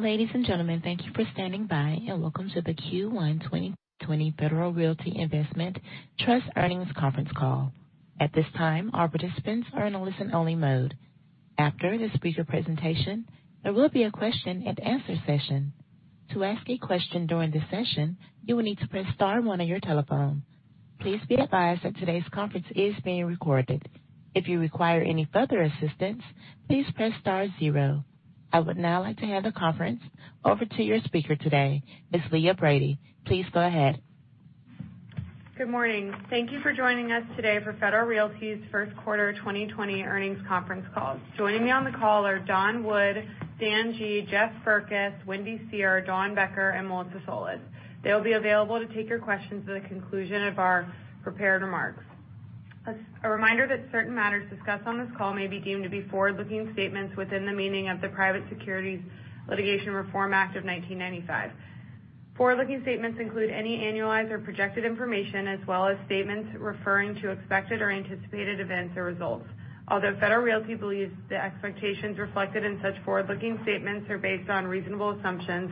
Ladies and gentlemen, thank you for standing by. Welcome to the Q1 2020 Federal Realty Investment Trust Earnings Conference Call. At this time, all participants are in a listen-only mode. After the speaker presentation, there will be a question and answer session. To ask a question during the session, you will need to press star one on your telephone. Please be advised that today's conference is being recorded. If you require any further assistance, please press star zero. I would now like to hand the conference over to your speaker today, Ms. Leah Brady. Please go ahead. Good morning. Thank you for joining us today for Federal Realty's first quarter 2020 earnings conference call. Joining me on the call are Don Wood, Dan Gee, Jeff Berkes, Wendy Seher, Dawn Becker, and Melissa Solis. They'll be available to take your questions at the conclusion of our prepared remarks. A reminder that certain matters discussed on this call may be deemed to be forward-looking statements within the meaning of the Private Securities Litigation Reform Act of 1995. Forward-looking statements include any annualized or projected information, as well as statements referring to expected or anticipated events or results. Although Federal Realty believes the expectations reflected in such forward-looking statements are based on reasonable assumptions,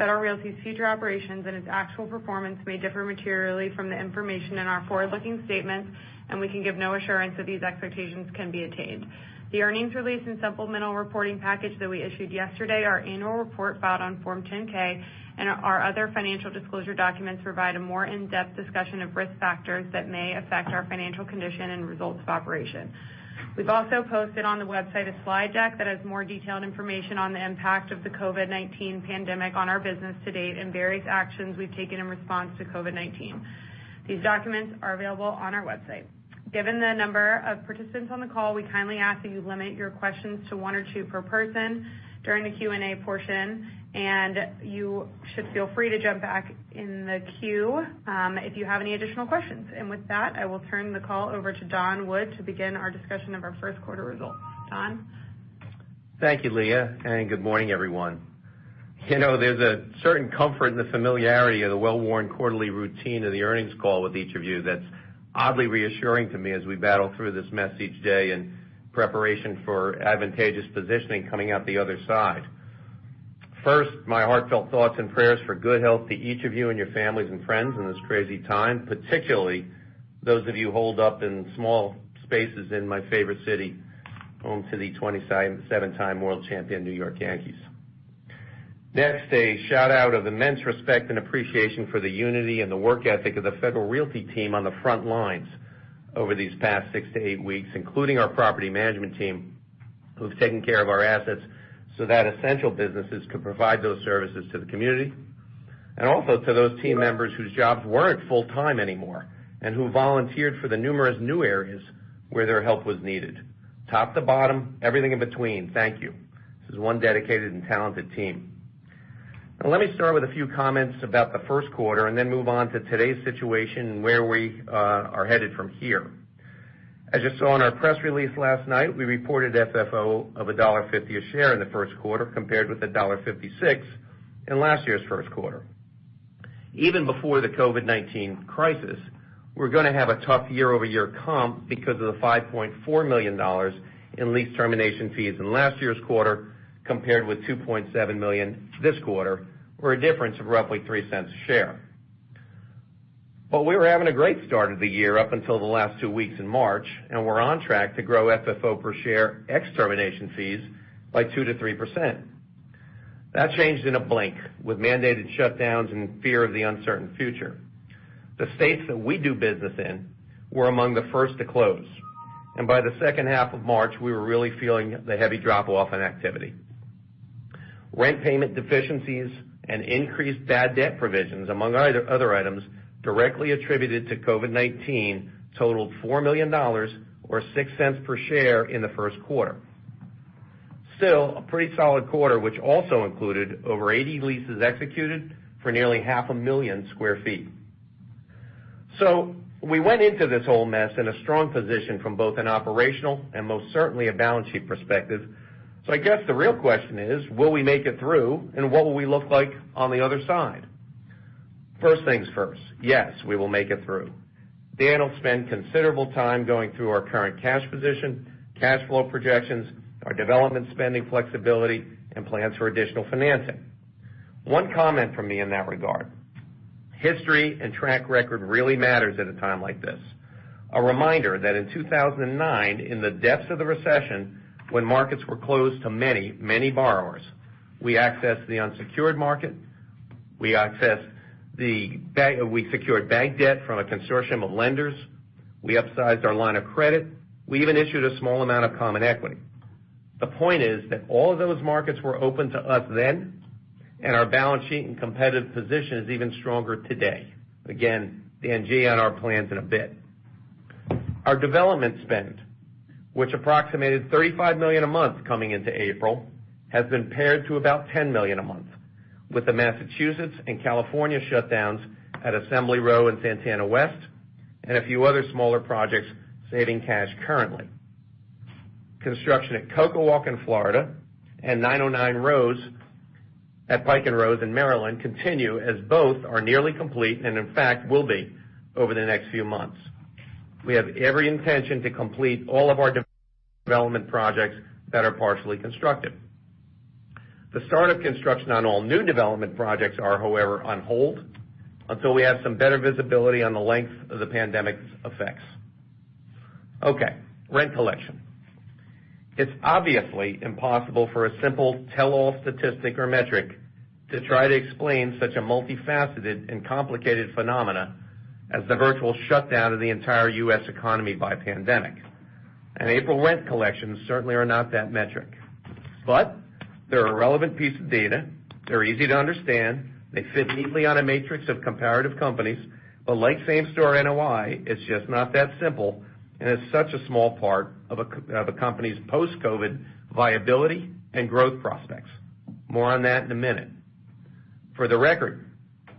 Federal Realty's future operations and its actual performance may differ materially from the information in our forward-looking statements, and we can give no assurance that these expectations can be attained. The earnings release and supplemental reporting package that we issued yesterday, our annual report filed on Form 10-K, and our other financial disclosure documents provide a more in-depth discussion of risk factors that may affect our financial condition and results of operation. We've also posted on the website a slide deck that has more detailed information on the impact of the COVID-19 pandemic on our business to date and various actions we've taken in response to COVID-19. These documents are available on our website. Given the number of participants on the call, we kindly ask that you limit your questions to one or two per person during the Q&A portion, and you should feel free to jump back in the queue if you have any additional questions. With that, I will turn the call over to Don Wood to begin our discussion of our first quarter results. Don? Thank you, Leah, and good morning, everyone. There's a certain comfort in the familiarity of the well-worn quarterly routine of the earnings call with each of you that's oddly reassuring to me as we battle through this mess each day in preparation for advantageous positioning coming out the other side. First, my heartfelt thoughts and prayers for good health to each of you and your families and friends in this crazy time, particularly those of you holed up in small spaces in my favorite city, home to the 27-time world champion New York Yankees. A shout-out of immense respect and appreciation for the unity and the work ethic of the Federal Realty team on the front lines over these past six to eight weeks, including our property management team, who've taken care of our assets so that essential businesses could provide those services to the community, and also to those team members whose jobs weren't full-time anymore, and who volunteered for the numerous new areas where their help was needed. Top to bottom, everything in between, thank you. This is one dedicated and talented team. Let me start with a few comments about the first quarter, and then move on to today's situation and where we are headed from here. As you saw in our press release last night, we reported FFO of $1.50 a share in the first quarter compared with $1.56 in last year's first quarter. Even before the COVID-19 crisis, we're going to have a tough year-over-year comp because of the $5.4 million in lease termination fees in last year's quarter compared with $2.7 million this quarter, or a difference of roughly $0.03 a share. We were having a great start of the year up until the last two weeks in March, and were on track to grow FFO per share, ex termination fees, by 2%-3%. That changed in a blink with mandated shutdowns and fear of the uncertain future. The states that we do business in were among the first to close, and by the second half of March, we were really feeling the heavy drop-off in activity. Rent payment deficiencies and increased bad debt provisions, among other items directly attributed to COVID-19, totaled $4 million, or $0.06 per share in the first quarter. Still, a pretty solid quarter, which also included over 80 leases executed for nearly half a million sq ft. We went into this whole mess in a strong position from both an operational and most certainly a balance sheet perspective. I guess the real question is: Will we make it through, and what will we look like on the other side? First things first. Yes, we will make it through. Dan will spend considerable time going through our current cash position, cash flow projections, our development spending flexibility, and plans for additional financing. One comment from me in that regard. History and track record really matters at a time like this. A reminder that in 2009, in the depths of the recession, when markets were closed to many borrowers, we accessed the unsecured market. We secured bank debt from a consortium of lenders. We upsized our line of credit. We even issued a small amount of common equity. The point is that all of those markets were open to us then, and our balance sheet and competitive position is even stronger today. Again, Dan Gee on our plans in a bit. Our development spend, which approximated $35 million a month coming into April, has been pared to about $10 million a month, with the Massachusetts and California shutdowns at Assembly Row and Santana West and a few other smaller projects saving cash currently. Construction at CocoWalk in Florida and 909 Rose at Pike & Rose in Maryland continue as both are nearly complete, and in fact, will be over the next few months. We have every intention to complete all of our development projects that are partially constructed. The start of construction on all new development projects are, however, on hold until we have some better visibility on the length of the pandemic's effects. Okay, rent collection. It's obviously impossible for a simple tell-all statistic or metric to try to explain such a multifaceted and complicated phenomena as the virtual shutdown of the entire U.S. economy by pandemic. April rent collections certainly are not that metric, but they're a relevant piece of data. They're easy to understand. They fit neatly on a matrix of comparative companies. Like same-store NOI, it's just not that simple, and it's such a small part of a company's post-COVID viability and growth prospects. More on that in a minute. For the record,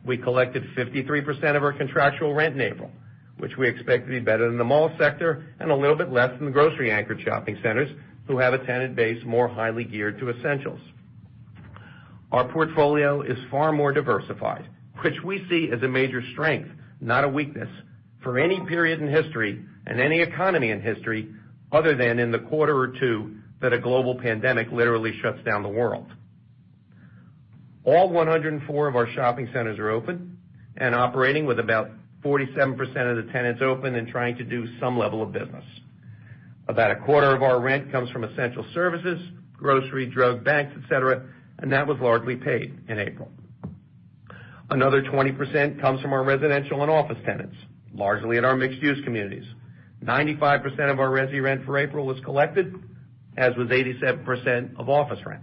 we collected 53% of our contractual rent in April, which we expect to be better than the mall sector and a little bit less than the grocery-anchored shopping centers, who have a tenant base more highly geared to essentials. Our portfolio is far more diversified, which we see as a major strength, not a weakness, for any period in history and any economy in history, other than in the quarter or two that a global pandemic literally shuts down the world. All 104 of our shopping centers are open and operating with about 47% of the tenants open and trying to do some level of business. About a quarter of our rent comes from essential services, grocery, drug, banks, et cetera, and that was largely paid in April. Another 20% comes from our residential and office tenants, largely at our mixed-use communities. 95% of our resi rent for April was collected, as was 87% of office rent.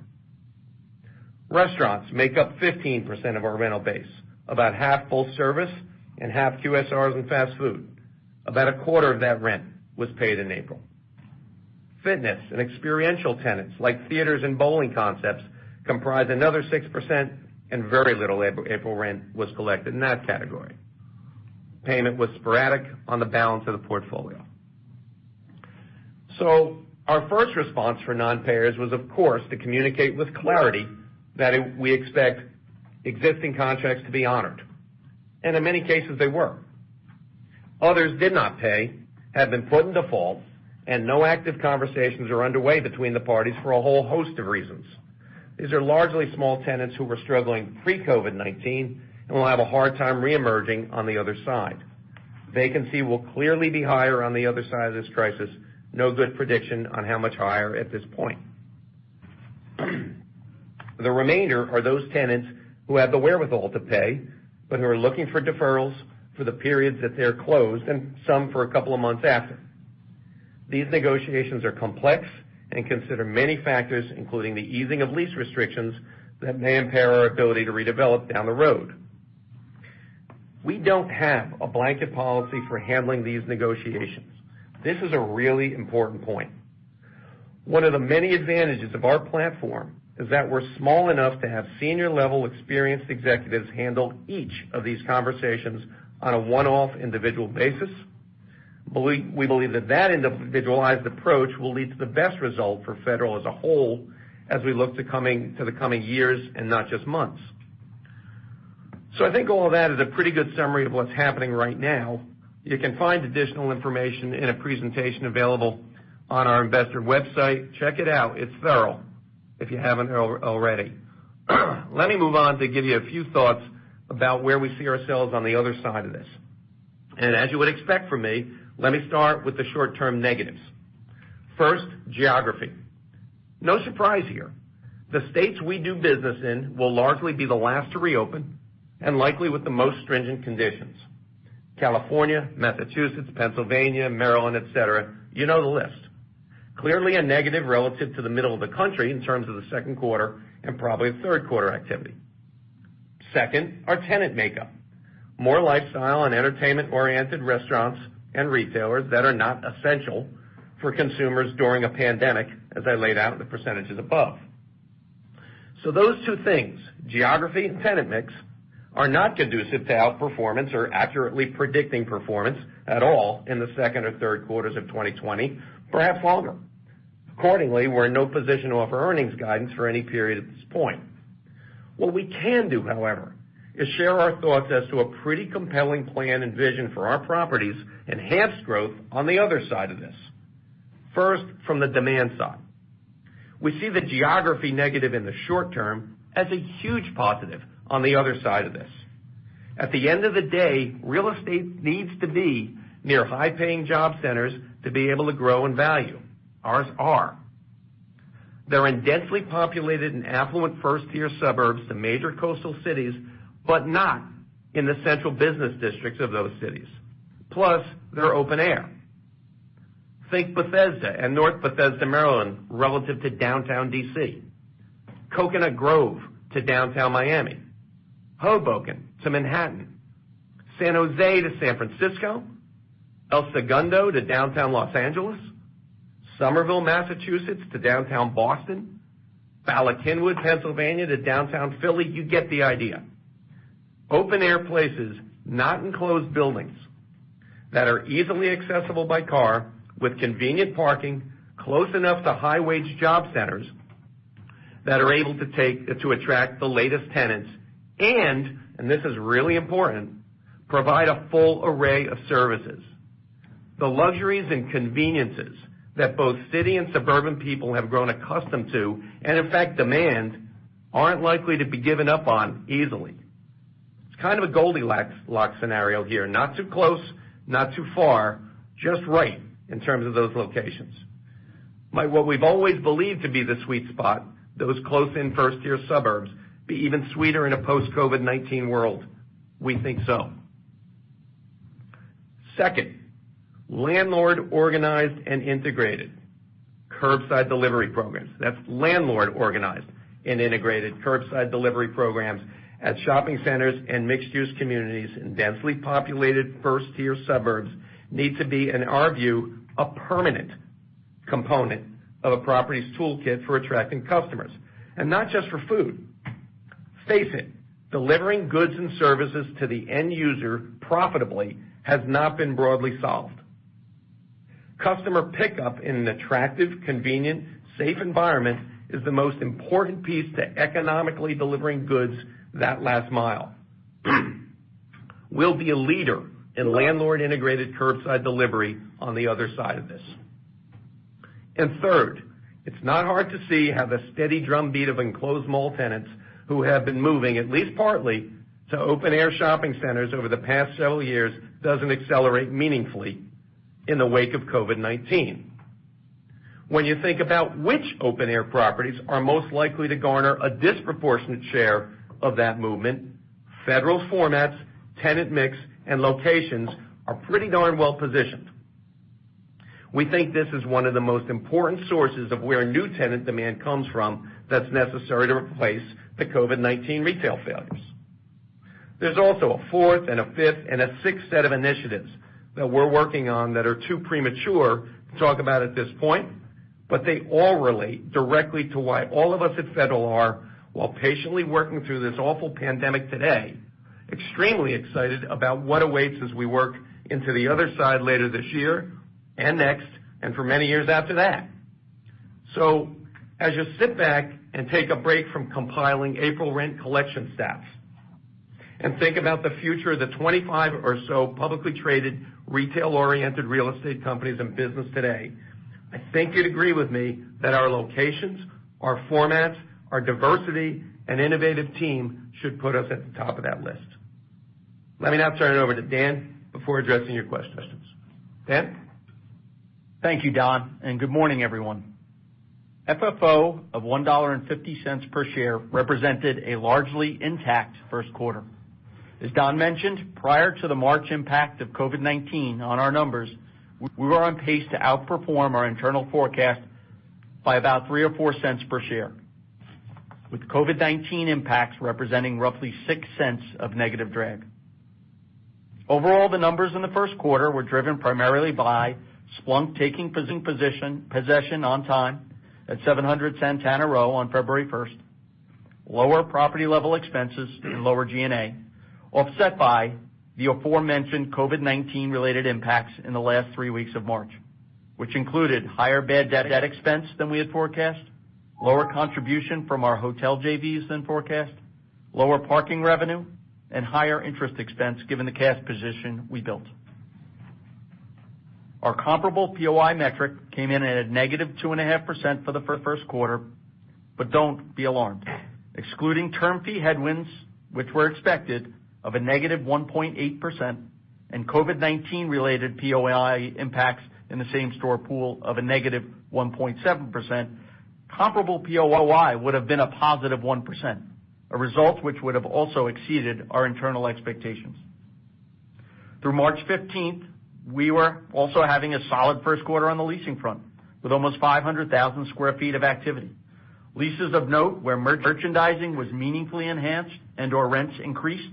Restaurants make up 15% of our rental base, about half full service and half QSRs and fast food. About a quarter of that rent was paid in April. Fitness and experiential tenants like theaters and bowling concepts comprise another 6%, and very little April rent was collected in that category. Payment was sporadic on the balance of the portfolio. Our first response for non-payers was, of course, to communicate with clarity that we expect existing contracts to be honored, and in many cases they were. Others did not pay, have been put in default, and no active conversations are underway between the parties for a whole host of reasons. These are largely small tenants who were struggling pre-COVID-19 and will have a hard time reemerging on the other side. Vacancy will clearly be higher on the other side of this crisis. No good prediction on how much higher at this point. The remainder are those tenants who have the wherewithal to pay, but who are looking for deferrals for the periods that they're closed, and some for a couple of months after. These negotiations are complex and consider many factors, including the easing of lease restrictions that may impair our ability to redevelop down the road. We don't have a blanket policy for handling these negotiations. This is a really important point. One of the many advantages of our platform is that we're small enough to have senior-level experienced executives handle each of these conversations on a one-off individual basis. We believe that individualized approach will lead to the best result for Federal as a whole as we look to the coming years and not just months. I think all of that is a pretty good summary of what's happening right now. You can find additional information in a presentation available on our investor website. Check it out, it's thorough, if you haven't already. Let me move on to give you a few thoughts about where we see ourselves on the other side of this. As you would expect from me, let me start with the short-term negatives. First, geography. No surprise here. The states we do business in will largely be the last to reopen and likely with the most stringent conditions, California, Massachusetts, Pennsylvania, Maryland, et cetera. You know the list. Clearly a negative relative to the middle of the country in terms of the second quarter and probably third quarter activity. Second, our tenant makeup. More lifestyle and entertainment-oriented restaurants and retailers that are not essential for consumers during a pandemic, as I laid out in the percentages above. Those two things, geography and tenant mix, are not conducive to outperformance or accurately predicting performance at all in the second or third quarters of 2020, perhaps longer. Accordingly, we're in no position to offer earnings guidance for any period at this point. What we can do, however, is share our thoughts as to a pretty compelling plan and vision for our properties enhanced growth on the other side of this. First, from the demand side. We see the geography negative in the short term as a huge positive on the other side of this. At the end of the day, real estate needs to be near high-paying job centers to be able to grow in value. Ours are. They're in densely populated and affluent first-tier suburbs to major coastal cities, but not in the central business districts of those cities. They're open air. Think Bethesda and North Bethesda, Maryland, relative to downtown D.C. Coconut Grove to downtown Miami. Hoboken to Manhattan. San Jose to San Francisco. El Segundo to downtown Los Angeles. Somerville, Massachusetts, to downtown Boston. Bala Cynwyd, Pennsylvania, to downtown Philly. You get the idea. Open air places, not enclosed buildings, that are easily accessible by car with convenient parking, close enough to high-wage job centers that are able to attract the latest tenants and this is really important, provide a full array of services. The luxuries and conveniences that both city and suburban people have grown accustomed to, and in fact, demand, aren't likely to be given up on easily. It's kind of a Goldilocks scenario here. Not too close, not too far, just right in terms of those locations. Might what we've always believed to be the sweet spot, those close-in first-tier suburbs, be even sweeter in a post-COVID-19 world? We think so. Second, landlord organized and integrated curbside delivery programs. That's landlord organized and integrated curbside delivery programs at shopping centers and mixed-use communities in densely populated first-tier suburbs need to be, in our view, a permanent component of a property's toolkit for attracting customers, and not just for food. Face it, delivering goods and services to the end user profitably has not been broadly solved. Customer pickup in an attractive, convenient, safe environment is the most important piece to economically delivering goods that last mile. We'll be a leader in landlord-integrated curbside delivery on the other side of this. Third, it's not hard to see how the steady drumbeat of enclosed mall tenants who have been moving, at least partly, to open-air shopping centers over the past several years doesn't accelerate meaningfully in the wake of COVID-19. When you think about which open-air properties are most likely to garner a disproportionate share of that movement, Federal formats, tenant mix, and locations are pretty darn well positioned. We think this is one of the most important sources of where new tenant demand comes from that's necessary to replace the COVID-19 retail failures. There's also a fourth and a fifth and a sixth set of initiatives that we're working on that are too premature to talk about at this point, but they all relate directly to why all of us at Federal are, while patiently working through this awful pandemic today, extremely excited about what awaits as we work into the other side later this year and next, and for many years after that. As you sit back and take a break from compiling April rent collection stats and think about the future of the 25 or so publicly traded, retail-oriented real estate companies in business today, I think you'd agree with me that our locations, our formats, our diversity and innovative team should put us at the top of that list. Let me now turn it over to Dan before addressing your questions. Dan? Thank you, Don. Good morning, everyone. FFO of $1.50 per share represented a largely intact first quarter. As Don mentioned, prior to the March impact of COVID-19 on our numbers, we were on pace to outperform our internal forecast by about $0.03 or $0.04 per share, with COVID-19 impacts representing roughly $0.06 of negative drag. Overall, the numbers in the first quarter were driven primarily by Splunk taking possession on time at 700 Santana Row on February 1st, lower property level expenses and lower G&A, offset by the aforementioned COVID-19 related impacts in the last three weeks of March, which included higher bad debt expense than we had forecast, lower contribution from our hotel JVs than forecast, lower parking revenue, and higher interest expense, given the cash position we built. Our comparable POI metric came in at a -2.5% for the first quarter. Don't be alarmed. Excluding term fee headwinds, which were expected of a -1.8%, and COVID-19 related POI impacts in the same store pool of a -1.7%, comparable POI would've been a positive 1%, a result which would have also exceeded our internal expectations. Through March 15th, we were also having a solid first quarter on the leasing front with almost 500,000 square feet of activity. Leases of note where merchandising was meaningfully enhanced and or rents increased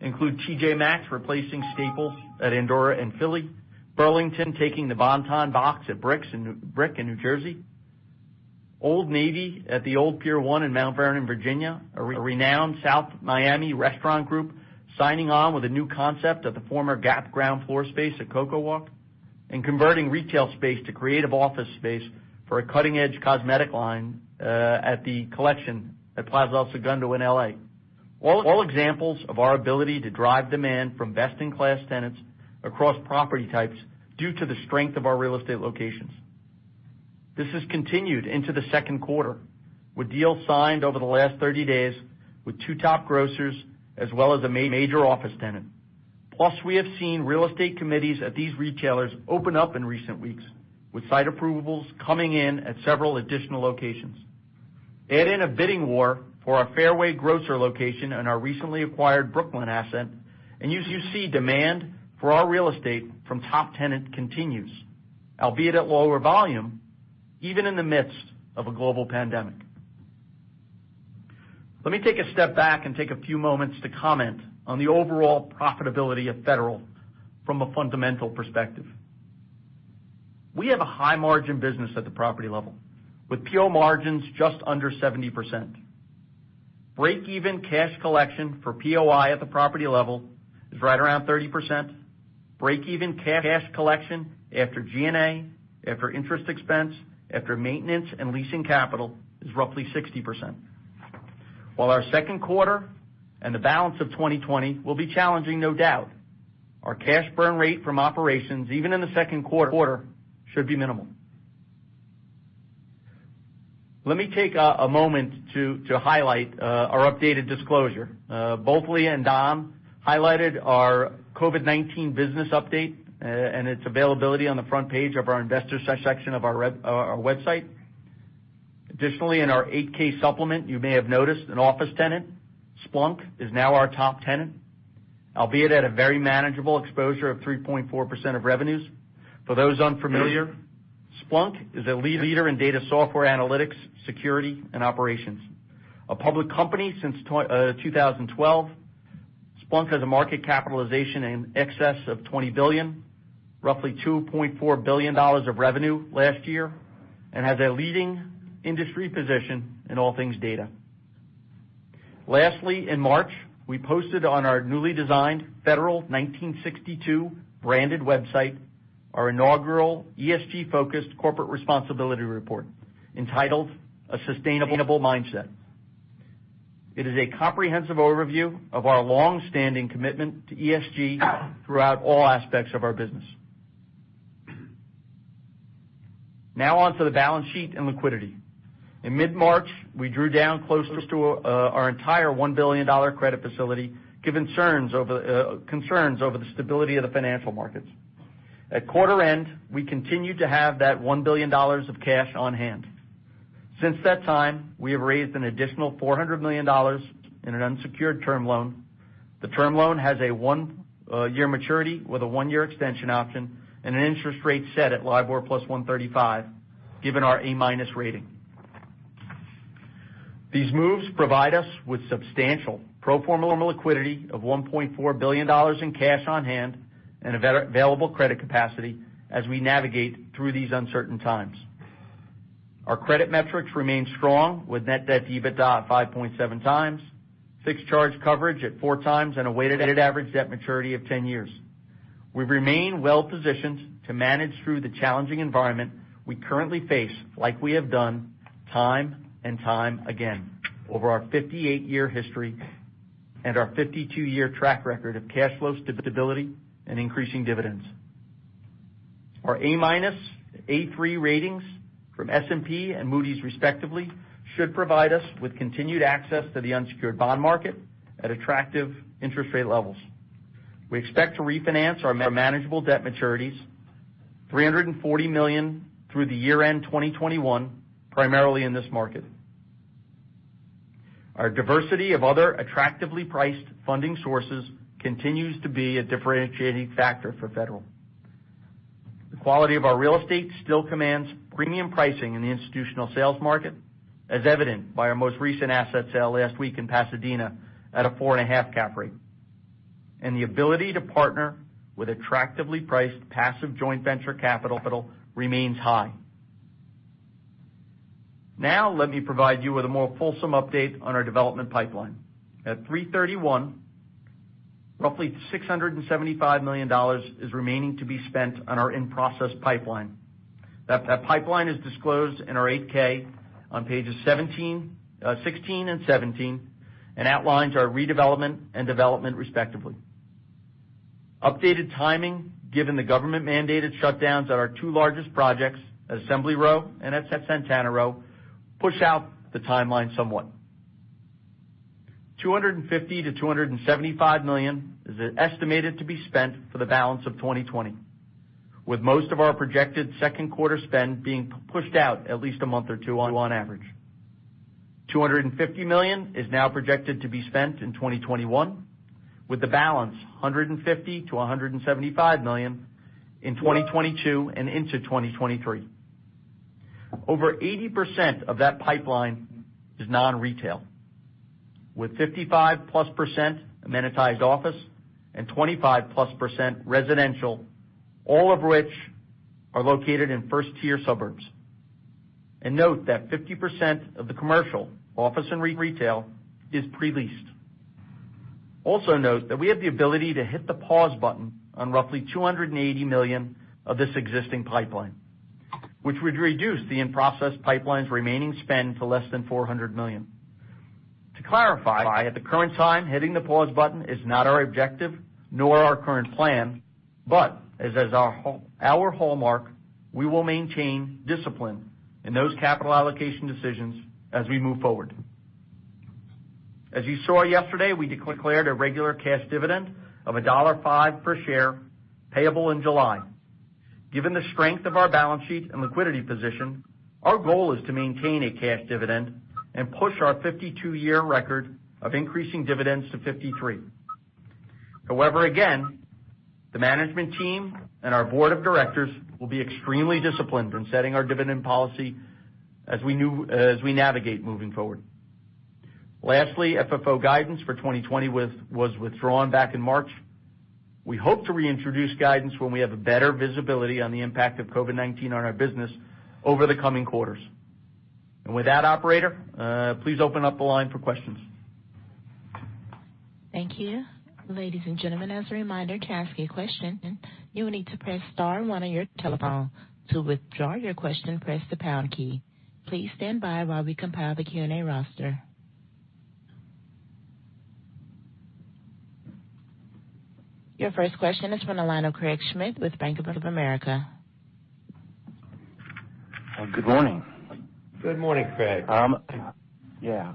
include TJ Maxx replacing Staples at Andorra & Philly, Burlington taking the Bon-Ton box at Brick in New Jersey, Old Navy at the Old Pier 1 in Mount Vernon, Virginia, a renowned South Miami restaurant group signing on with a new concept at the former Gap ground floor space at CocoWalk, and converting retail space to creative office space for a cutting-edge cosmetic line at The Collection at Plaza El Segundo in L.A. All examples of our ability to drive demand from best-in-class tenants across property types due to the strength of our real estate locations. This has continued into the second quarter with deals signed over the last 30 days with two top grocers as well as a major office tenant. Plus, we have seen real estate committees at these retailers open up in recent weeks with site approvals coming in at several additional locations. Add in a bidding war for our Fairway grocer location and our recently acquired Brooklyn asset, and you see demand for our real estate from top tenant continues, albeit at lower volume, even in the midst of a global pandemic. Let me take a step back and take a few moments to comment on the overall profitability of Federal from a fundamental perspective. We have a high-margin business at the property level with PO margins just under 70%. Breakeven cash collection for POI at the property level is right around 30%. Breakeven cash collection after G&A, after interest expense, after maintenance and leasing capital, is roughly 60%. While our second quarter and the balance of 2020 will be challenging, no doubt, our cash burn rate from operations, even in the second quarter, should be minimal. Let me take a moment to highlight our updated disclosure. Both Lee and Don highlighted our COVID-19 business update and its availability on the front page of our investor section of our website. Additionally, in our 8-K supplement, you may have noticed an office tenant, Splunk, is now our top tenant, albeit at a very manageable exposure of 3.4% of revenues. For those unfamiliar, Splunk is a leader in data software analytics, security, and operations. A public company since 2012, Splunk has a market capitalization in excess of $20 billion, roughly $2.4 billion of revenue last year, and has a leading industry position in all things data. In March, we posted on our newly designed Federal 1962 branded website our inaugural ESG-focused corporate responsibility report entitled "A Sustainable Mindset." It is a comprehensive overview of our longstanding commitment to ESG throughout all aspects of our business. On to the balance sheet and liquidity. In mid-March, we drew down close to our entire $1 billion credit facility given concerns over the stability of the financial markets. At quarter end, we continued to have that $1 billion of cash on hand. Since that time, we have raised an additional $400 million in an unsecured term loan. The term loan has a one-year maturity with a one-year extension option and an interest rate set at LIBOR plus 135, given our A- rating. These moves provide us with substantial pro forma liquidity of $1.4 billion in cash on hand and available credit capacity as we navigate through these uncertain times. Our credit metrics remain strong with net debt to EBITDA at 5.7 times, fixed charge coverage at 4 times, and a weighted average debt maturity of 10 years. We remain well positioned to manage through the challenging environment we currently face like we have done time and time again over our 58-year history and our 52-year track record of cash flow stability and increasing dividends. Our A-, A3 ratings from S&P and Moody's respectively, should provide us with continued access to the unsecured bond market at attractive interest rate levels. We expect to refinance our manageable debt maturities, $340 million through the year-end 2021, primarily in this market. Our diversity of other attractively priced funding sources continues to be a differentiating factor for Federal. The quality of our real estate still commands premium pricing in the institutional sales market, as evident by our most recent asset sale last week in Pasadena at a four-and-a-half cap rate. The ability to partner with attractively priced passive joint venture capital remains high. Let me provide you with a more fulsome update on our development pipeline. At 331, roughly $675 million is remaining to be spent on our in-process pipeline. That pipeline is disclosed in our 8-K on pages 16 and 17 and outlines our redevelopment and development respectively. Updated timing, given the government-mandated shutdowns at our two largest projects, Assembly Row and at Santana Row, push out the timeline somewhat. $250 million-$275 million is estimated to be spent for the balance of 2020, with most of our projected second quarter spend being pushed out at least a month or two on average. $250 million is now projected to be spent in 2021, with the balance, $150 million-$175 million, in 2022 and into 2023. Over 80% of that pipeline is non-retail, with 55%+ amenitized office and 25%+ residential, all of which are located in first-tier suburbs. Note that 50% of the commercial, office, and retail is pre-leased. Note that we have the ability to hit the pause button on roughly $280 million of this existing pipeline, which would reduce the in-process pipeline's remaining spend to less than $400 million. To clarify, at the current time, hitting the pause button is not our objective, nor our current plan. As is our hallmark, we will maintain discipline in those capital allocation decisions as we move forward. As you saw yesterday, we declared a regular cash dividend of $1.05 per share payable in July. Given the strength of our balance sheet and liquidity position, our goal is to maintain a cash dividend and push our 52-year record of increasing dividends to 53. Again, the management team and our board of directors will be extremely disciplined in setting our dividend policy as we navigate moving forward. Lastly, FFO guidance for 2020 was withdrawn back in March. We hope to reintroduce guidance when we have a better visibility on the impact of COVID-19 on our business over the coming quarters. With that, operator, please open up the line for questions. Thank you. Ladies and gentlemen, as a reminder, to ask a question, you will need to press star one on your telephone. To withdraw your question, press the pound key. Please stand by while we compile the Q&A roster. Your first question is from the line of Craig Schmidt with Bank of America. Good morning. Good morning, Craig. Yeah.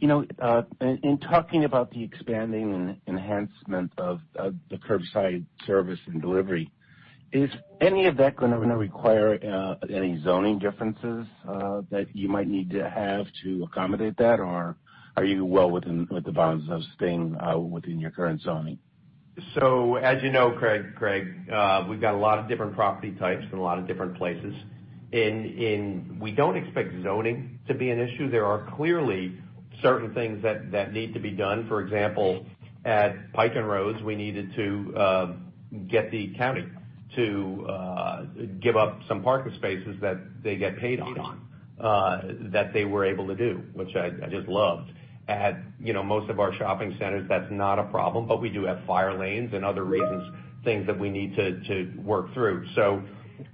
In talking about the expanding and enhancement of the curbside service and delivery, is any of that going to require any zoning differences that you might need to have to accommodate that? Or are you well within the bounds of staying within your current zoning? As you know, Craig, we've got a lot of different property types in a lot of different places. We don't expect zoning to be an issue. There are clearly certain things that need to be done. For example, at Pike & Rose, we needed to get the county to give up some parking spaces that they get paid on, that they were able to do, which I just loved. At most of our shopping centers, that's not a problem, but we do have fire lanes and other reasons, things that we need to work through.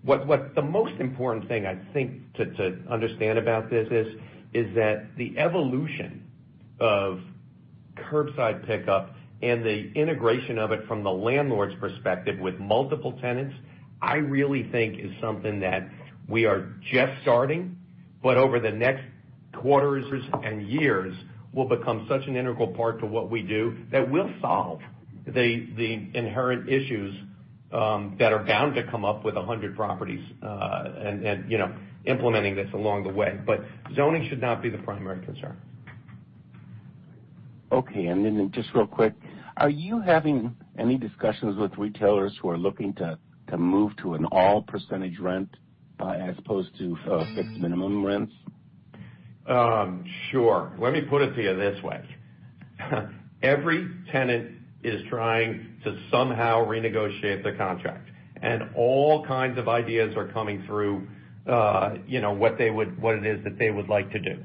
What the most important thing, I think, to understand about this is that the evolution of curbside pickup and the integration of it from the landlord's perspective with multiple tenants, I really think is something that we are just starting, but over the next quarters and years, will become such an integral part to what we do that will solve the inherent issues that are bound to come up with 100 properties and implementing this along the way. Zoning should not be the primary concern. Okay. Then just real quick, are you having any discussions with retailers who are looking to move to an all percentage rent as opposed to fixed minimum rents? Sure. Let me put it to you this way. Every tenant is trying to somehow renegotiate their contract, and all kinds of ideas are coming through what it is that they would like to do.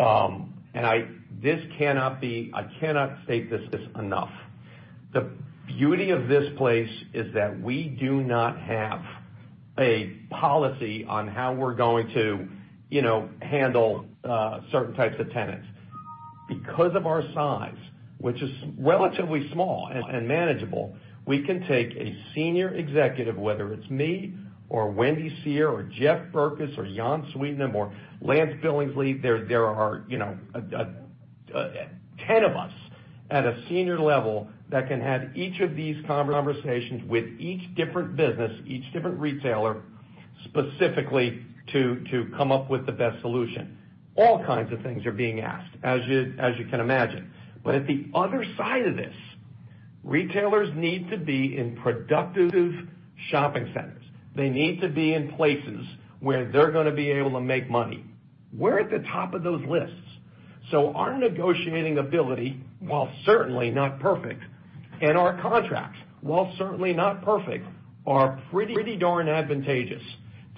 I cannot state this enough. The beauty of this place is that we do not have a policy on how we're going to handle certain types of tenants. Because of our size, which is relatively small and manageable, we can take a senior executive, whether it's me or Wendy Seher or Jeff Berkes or Jan Sweetnam or Lance Billingsley, there are 10 of us at a senior level that can have each of these conversations with each different business, each different retailer, specifically to come up with the best solution. All kinds of things are being asked, as you can imagine. At the other side of this, retailers need to be in productive shopping centers. They need to be in places where they're going to be able to make money. We're at the top of those lists. Our negotiating ability, while certainly not perfect, and our contracts, while certainly not perfect, are pretty darn advantageous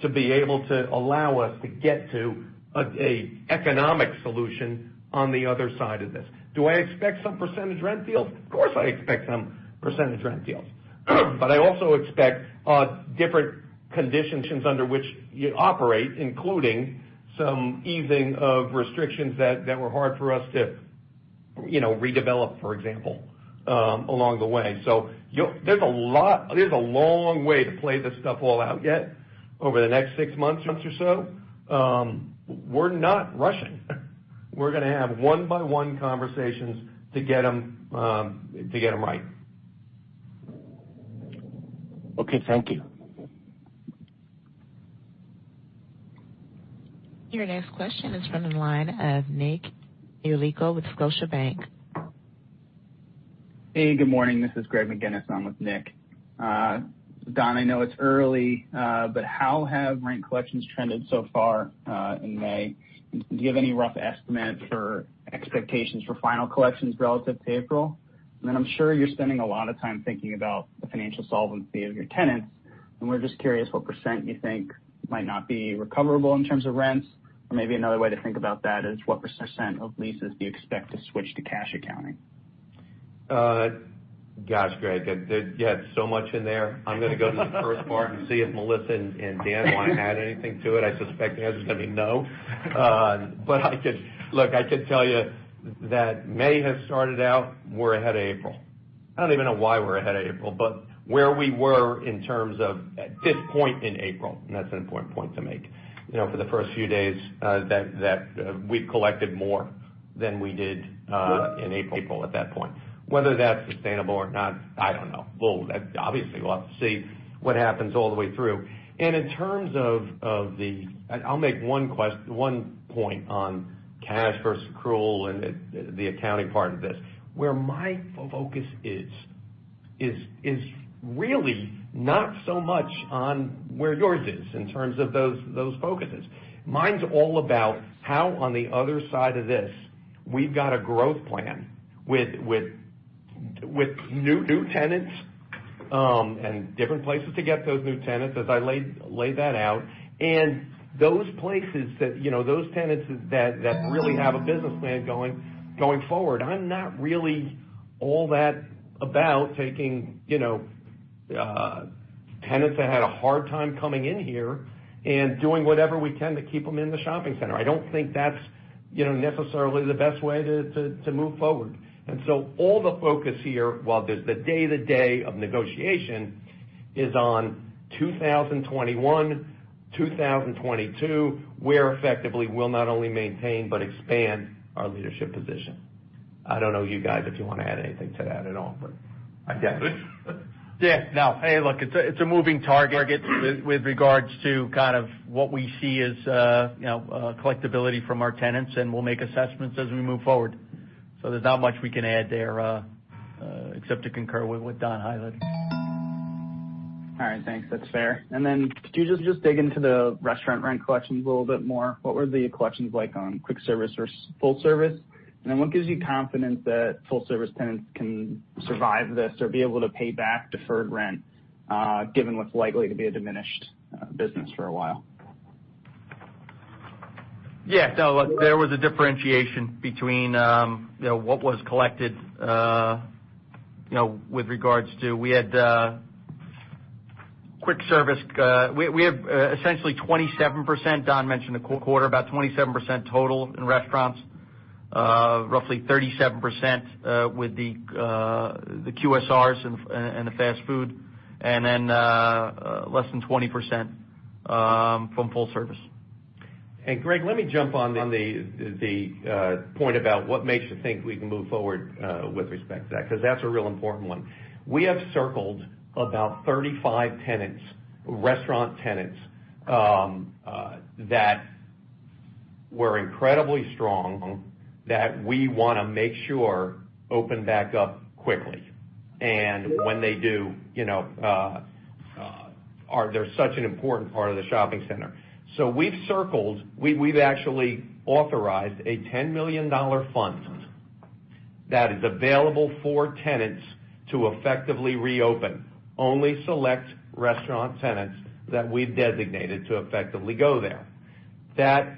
to be able to allow us to get to an economic solution on the other side of this. Do I expect some percentage rent deals? Of course, I expect some percentage rent deals. I also expect different conditions under which you operate, including some easing of restrictions that were hard for us to redevelop, for example, along the way. There's a long way to play this stuff all out yet over the next six months or so. We're not rushing. We're going to have one-by-one conversations to get them right. Okay. Thank you. Your next question is from the line of Nick Yulico with Scotiabank. Hey, good morning. This is Greg McGinniss. I'm with Nick. Don, I know it's early, how have rent collections trended so far in May? Do you have any rough estimates or expectations for final collections relative to April? I'm sure you're spending a lot of time thinking about the financial solvency of your tenants, and we're just curious what percent you think might not be recoverable in terms of rents. Maybe another way to think about that is, what percent of leases do you expect to switch to cash accounting? Gosh, Greg, you had so much in there. I'm going to go to the first part and see if Melissa and Dan want to add anything to it. I suspect the answer's going to be no. Look, I could tell you that May has started out, we're ahead of April. I don't even know why we're ahead of April, but where we were in terms of at this point in April, and that's an important point to make, for the first few days, that we've collected more than we did in April at that point. Whether that's sustainable or not, I don't know. Obviously, we'll have to see what happens all the way through. I'll make one point on cash versus accrual and the accounting part of this. Where my focus is really not so much on where yours is in terms of those focuses. Mine's all about how, on the other side of this, we've got a growth plan with new tenants, different places to get those new tenants, as I laid that out. Those tenants that really have a business plan going forward, I'm not really all that about taking tenants that had a hard time coming in here and doing whatever we can to keep them in the shopping center. I don't think that's necessarily the best way to move forward. All the focus here, while there's the day-to-day of negotiation, is on 2021, 2022, where effectively we'll not only maintain but expand our leadership position. I don't know, you guys, if you want to add anything to that at all, I guess. Yeah, no. Hey, look, it's a moving target with regards to kind of what we see as collectibility from our tenants, and we'll make assessments as we move forward. There's not much we can add there except to concur with what Don highlighted. All right, thanks. That's fair. Could you just dig into the restaurant rent collections a little bit more? What were the collections like on quick service versus full service? What gives you confidence that full-service tenants can survive this or be able to pay back deferred rent, given what's likely to be a diminished business for a while? Yeah. look, there was a differentiation between what was collected with regards to, we had quick service. We have essentially 27%. Don mentioned a quarter, about 27% total in restaurants. Roughly 37% with the QSRs and the fast food, and then less than 20% from full service. Greg, let me jump on the point about what makes you think we can move forward with respect to that, because that's a real important one. We have circled about 35 tenants, restaurant tenants, that were incredibly strong, that we want to make sure open back up quickly. When they do, they're such an important part of the shopping center. We've circled, we've actually authorized a $10 million fund that is available for tenants to effectively reopen. Only select restaurant tenants that we've designated to effectively go there.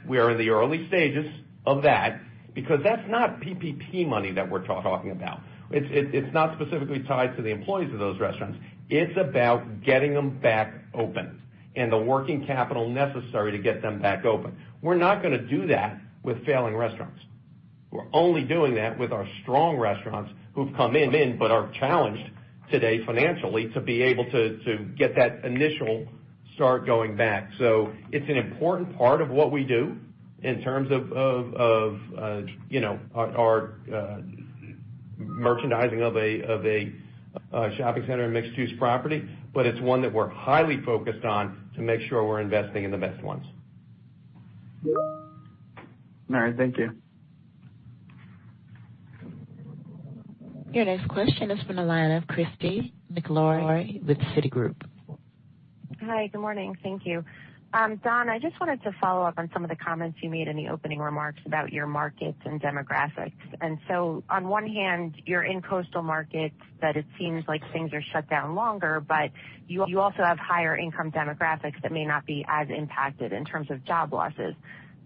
We are in the early stages of that, because that's not PPP money that we're talking about. It's not specifically tied to the employees of those restaurants. It's about getting them back open and the working capital necessary to get them back open. We're not going to do that with failing restaurants. We're only doing that with our strong restaurants who've come in but are challenged today financially to be able to get that initial start going back. It's an important part of what we do in terms of our merchandising of a shopping center and mixed-use property, but it's one that we're highly focused on to make sure we're investing in the best ones. All right. Thank you. Your next question is from the line of Christy McElroy with Citigroup. Hi, good morning. Thank you. Don, I just wanted to follow up on some of the comments you made in the opening remarks about your markets and demographics. On one hand, you're in coastal markets that it seems like things are shut down longer, but you also have higher income demographics that may not be as impacted in terms of job losses.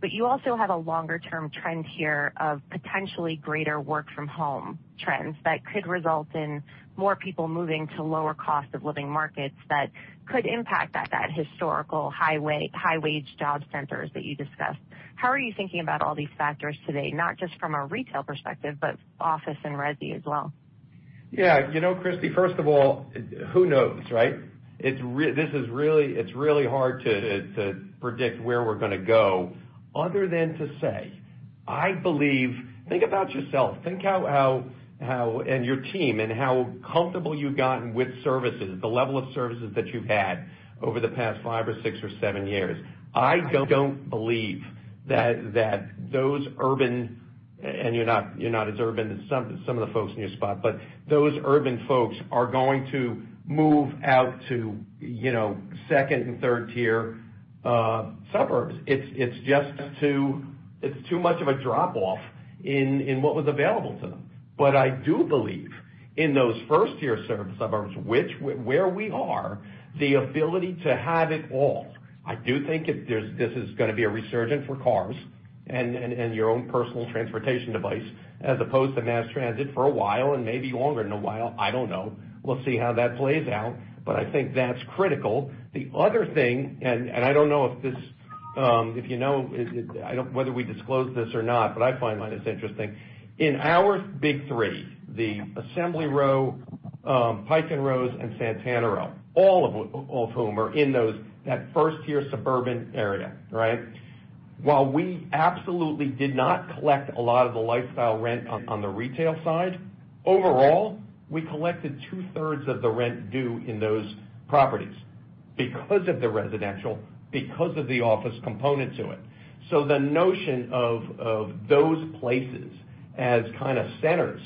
You also have a longer-term trend here of potentially greater work from home trends that could result in more people moving to lower cost of living markets that could impact that historical high wage job centers that you discussed. How are you thinking about all these factors today, not just from a retail perspective, but office and resi as well? Christy, first of all, who knows, right? It's really hard to predict where we're going to go other than to say, Think about yourself and your team, and how comfortable you've gotten with services, the level of services that you've had over the past five or six or seven years. I don't believe that those urban, and you're not as urban as some of the folks in your spot, but those urban folks are going to move out to second and third-tier suburbs. It's too much of a drop-off in what was available to them. I do believe in those 1st-tier suburbs, where we are, the ability to have it all. I do think this is going to be a resurgence for cars and your own personal transportation device as opposed to mass transit for a while and maybe longer than a while, I don't know. We'll see how that plays out. I think that's critical. The other thing, I don't know if you know, whether we disclosed this or not, I find this interesting. In our big three, the Assembly Row, Pike & Rose, and Santana Row, all of whom are in that first-tier suburban area, right? While we absolutely did not collect a lot of the lifestyle rent on the retail side, overall, we collected two-thirds of the rent due in those properties because of the residential, because of the office component to it. The notion of those places as kind of centers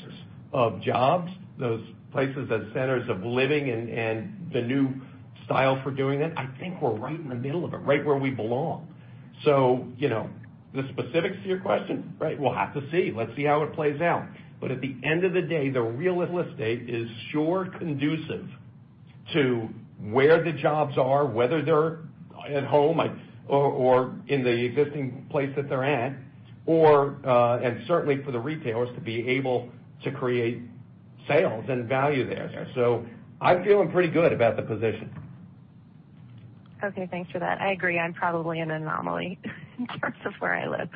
of jobs, those places as centers of living and the new style for doing that, I think we're right in the middle of it, right where we belong. The specifics to your question, we'll have to see. Let's see how it plays out. At the end of the day, the real estate is sure conducive to where the jobs are, whether they're at home or in the existing place that they're at, and certainly for the retailers to be able to create sales and value there. I'm feeling pretty good about the position. Okay. Thanks for that. I agree. I'm probably an anomaly in terms of where I live.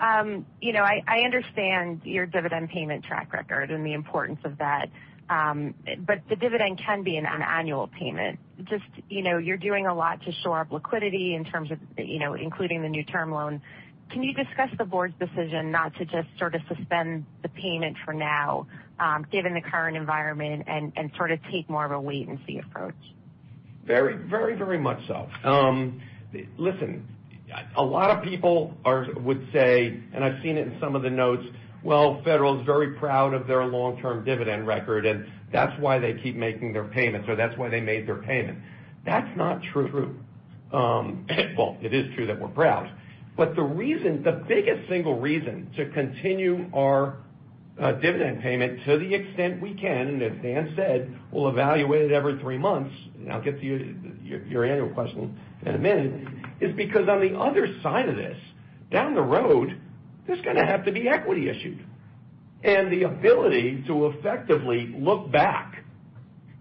I understand your dividend payment track record and the importance of that. The dividend can be an annual payment. Just, you're doing a lot to shore up liquidity in terms of including the new term loan. Can you discuss the board's decision not to just sort of suspend the payment for now, given the current environment, and take more of a wait-and-see approach? Very much so. Listen, a lot of people would say, and I've seen it in some of the notes, "Well, Federal's very proud of their long-term dividend record, and that's why they keep making their payments, or that's why they made their payment." That's not true. It is true that we're proud. The biggest single reason to continue our dividend payment to the extent we can, and as Dan said, we'll evaluate it every three months, and I'll get to your annual question in a minute, is because on the other side of this, down the road, there's going to have to be equity issues. The ability to effectively look back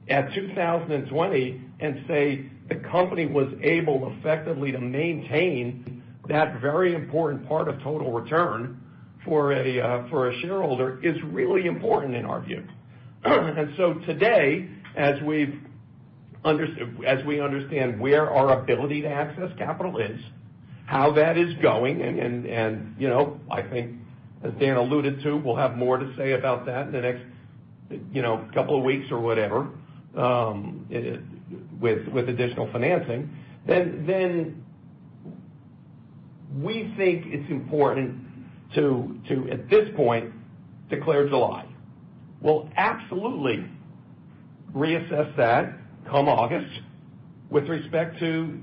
at 2020 and say the company was able effectively to maintain that very important part of total return for a shareholder is really important in our view. Today, as we understand where our ability to access capital is, how that is going, and I think as Dan alluded to, we'll have more to say about that in the next couple of weeks or whatever, with additional financing. We think it's important to, at this point, declare July. We'll absolutely reassess that come August with respect to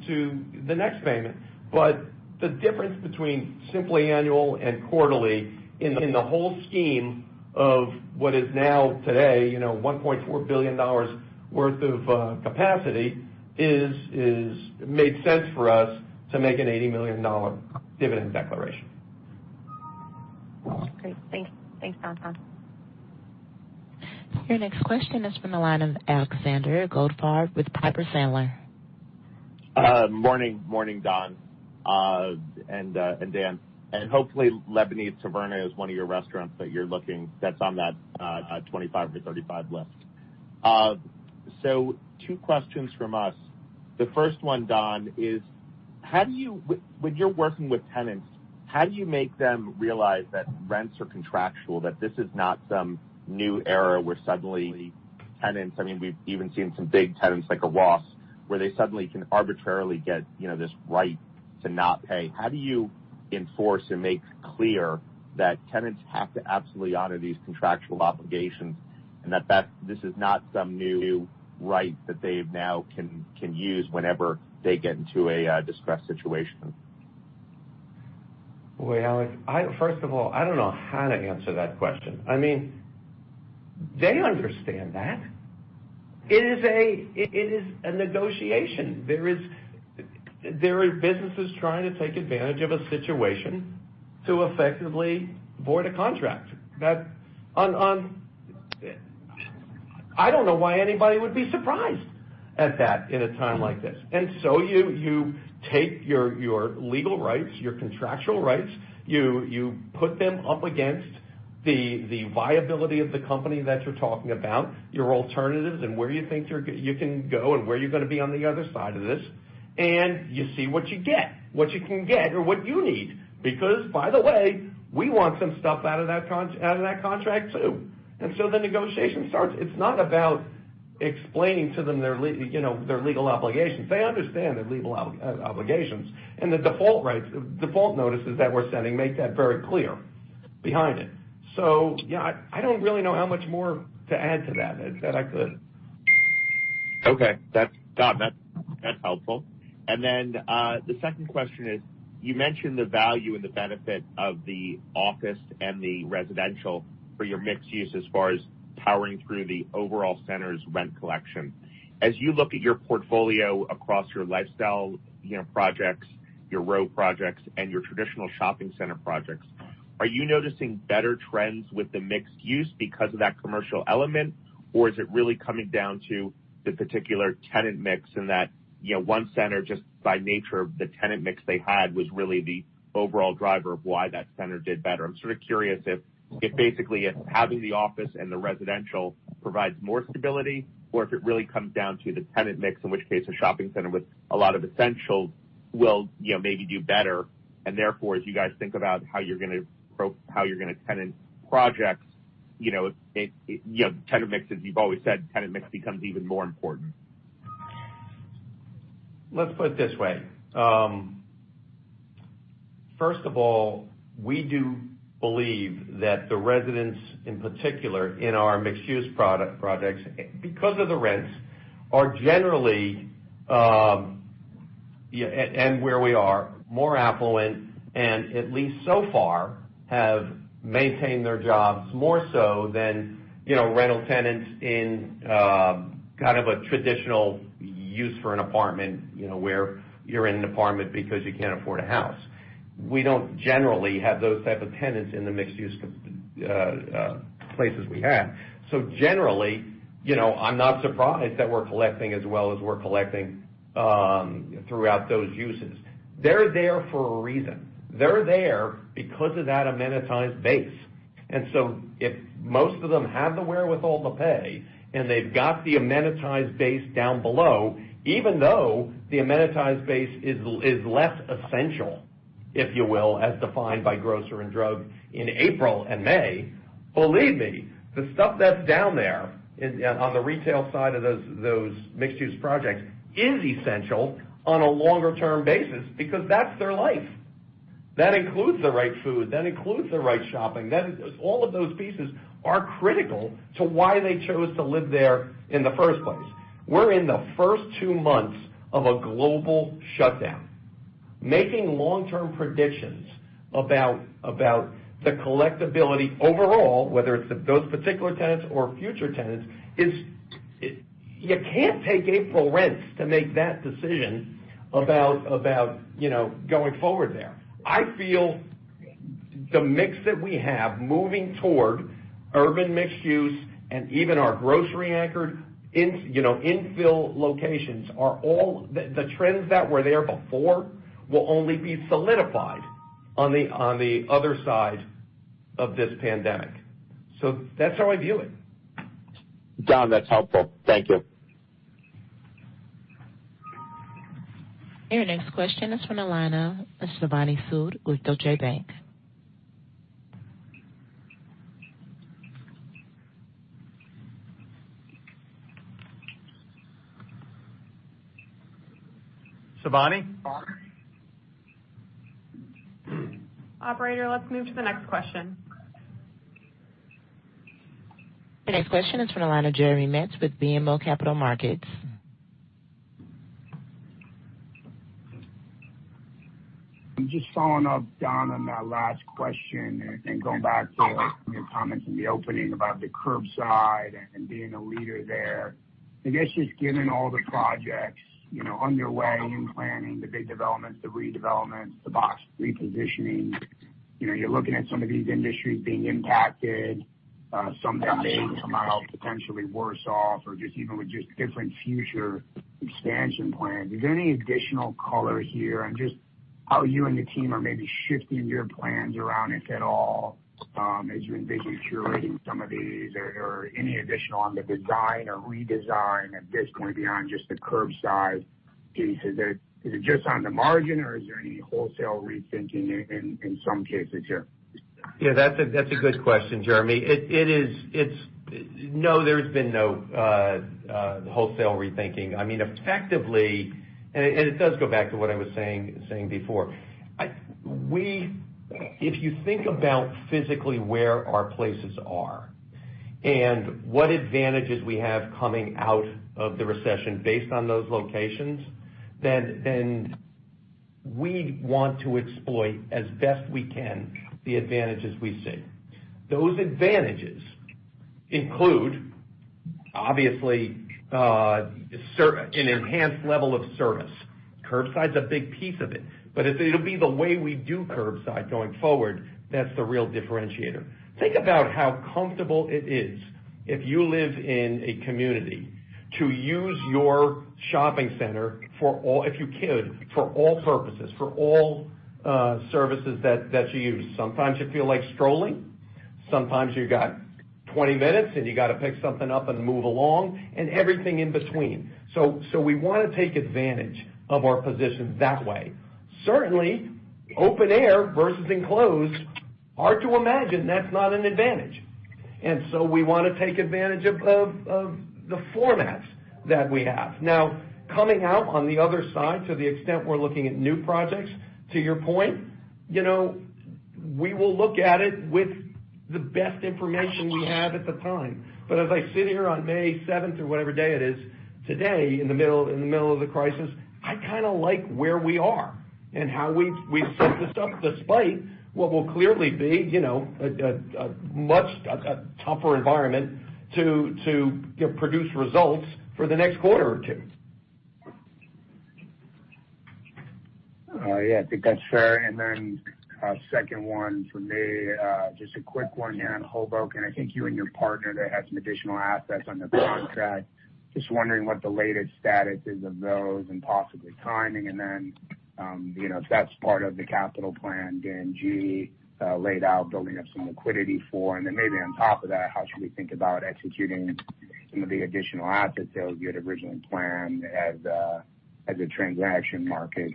the next payment. The difference between simply annual and quarterly in the whole scheme of what is now today $1.4 billion worth of capacity made sense for us to make an $80 million dividend declaration. Great. Thanks, Don. Your next question is from the line of Alexander Goldfarb with Piper Sandler. Morning, Don and Dan. Hopefully Lebanese Taverna is one of your restaurants that you're looking that's on that 25 to 35 list. Two questions from us. The first one, Don, is when you're working with tenants, how do you make them realize that rents are contractual, that this is not some new era where suddenly tenants, we've even seen some big tenants like a Ross, where they suddenly can arbitrarily get this right to not pay? How do you enforce and make clear that tenants have to absolutely honor these contractual obligations and that this is not some new right that they now can use whenever they get into a distressed situation? Boy, Alex, first of all, I don't know how to answer that question. They understand that. It is a negotiation. There are businesses trying to take advantage of a situation to effectively void a contract. I don't know why anybody would be surprised at that in a time like this. You take your legal rights, your contractual rights, you put them up against the viability of the company that you're talking about, your alternatives, and where you think you can go and where you're going to be on the other side of this, and you see what you get, what you can get or what you need. Because, by the way, we want some stuff out of that contract too. The negotiation starts. It's not about explaining to them their legal obligations. They understand their legal obligations, and the default notices that we're sending make that very clear behind it. Yeah, I don't really know how much more to add to that. That I could. Okay. Don, that's helpful. The second question is, you mentioned the value and the benefit of the office and the residential for your mixed-use as far as powering through the overall center's rent collection. As you look at your portfolio across your lifestyle projects, your row projects, and your traditional shopping center projects, are you noticing better trends with the mixed-use because of that commercial element? Or is it really coming down to the particular tenant mix and that one center just by nature of the tenant mix they had was really the overall driver of why that center did better? I'm sort of curious if basically if having the office and the residential provides more stability or if it really comes down to the tenant mix, in which case a shopping center with a lot of essential will maybe do better, and therefore, as you guys think about how you're going to tenant projects, tenant mix, as you've always said, tenant mix becomes even more important. Let's put it this way. First of all, we do believe that the residents, in particular in our mixed-use projects, because of the rents are generally, and where we are, more affluent and at least so far, have maintained their jobs more so than rental tenants in kind of a traditional use for an apartment, where you're in an apartment because you can't afford a house. We don't generally have those type of tenants in the mixed-use places we have. Generally, I'm not surprised that we're collecting as well as we're collecting throughout those uses. They're there for a reason. They're there because of that amenitized base. If most of them have the wherewithal to pay and they've got the amenitized base down below, even though the amenitized base is less essential, if you will, as defined by grocer and drug in April and May, believe me, the stuff that's down there on the retail side of those mixed-use projects is essential on a longer-term basis because that's their life. That includes the right food, that includes the right shopping. All of those pieces are critical to why they chose to live there in the first place. We're in the first two months of a global shutdown. Making long-term predictions about the collectibility overall, whether it's those particular tenants or future tenants, you can't take April rents to make that decision about going forward there. I feel the mix that we have moving toward urban mixed use and even our grocery anchored infill locations, the trends that were there before will only be solidified on the other side of this pandemic. That's how I view it. Don, that's helpful. Thank you. Your next question is from the line of Shivani Sood with Deutsche Bank. Shivani? Operator, let's move to the next question. The next question is from the line of Jeremy Metz with BMO Capital Markets. I'm just following up, Don, on that last question and going back to your comments in the opening about the curbside and being a leader there. I guess just given all the projects underway in planning, the big developments, the redevelopments, the box repositioning, you're looking at some of these industries being impacted, some potentially worse off or just even with just different future expansion plans. Is there any additional color here on just how you and the team are maybe shifting your plans around it at all as you envision curating some of these or any additional on the design or redesign at this point beyond just the curbside pieces? Is it just on the margin or is there any wholesale rethinking in some cases here? Yeah, that's a good question, Jeremy. There's been no wholesale rethinking. Effectively, it does go back to what I was saying before. If you think about physically where our places are and what advantages we have coming out of the recession based on those locations, we want to exploit as best we can the advantages we see. Those advantages include, obviously, an enhanced level of service. Curbside is a big piece of it'll be the way we do curbside going forward that's the real differentiator. Think about how comfortable it is if you live in a community to use your shopping center, if you could, for all purposes, for all services that you use. Sometimes you feel like strolling, sometimes you got 20 minutes and you got to pick something up and move along, everything in between. We want to take advantage of our positions that way. Certainly, open air versus enclosed, hard to imagine that's not an advantage. We want to take advantage of the formats that we have. Coming out on the other side, to the extent we're looking at new projects, to your point, we will look at it with the best information we have at the time. As I sit here on May 7th or whatever day it is today in the middle of the crisis, I kind of like where we are and how we've set this up, despite what will clearly be a much tougher environment to produce results for the next quarter or two. Yeah, I think that's fair. A second one from me, just a quick one here on Hoboken. I think you and your partner there had some additional assets under contract. Just wondering what the latest status is of those and possibly timing. If that's part of the capital plan Dan Gee laid out building up some liquidity for. Maybe on top of that, how should we think about executing some of the additional assets that you had originally planned as the transaction markets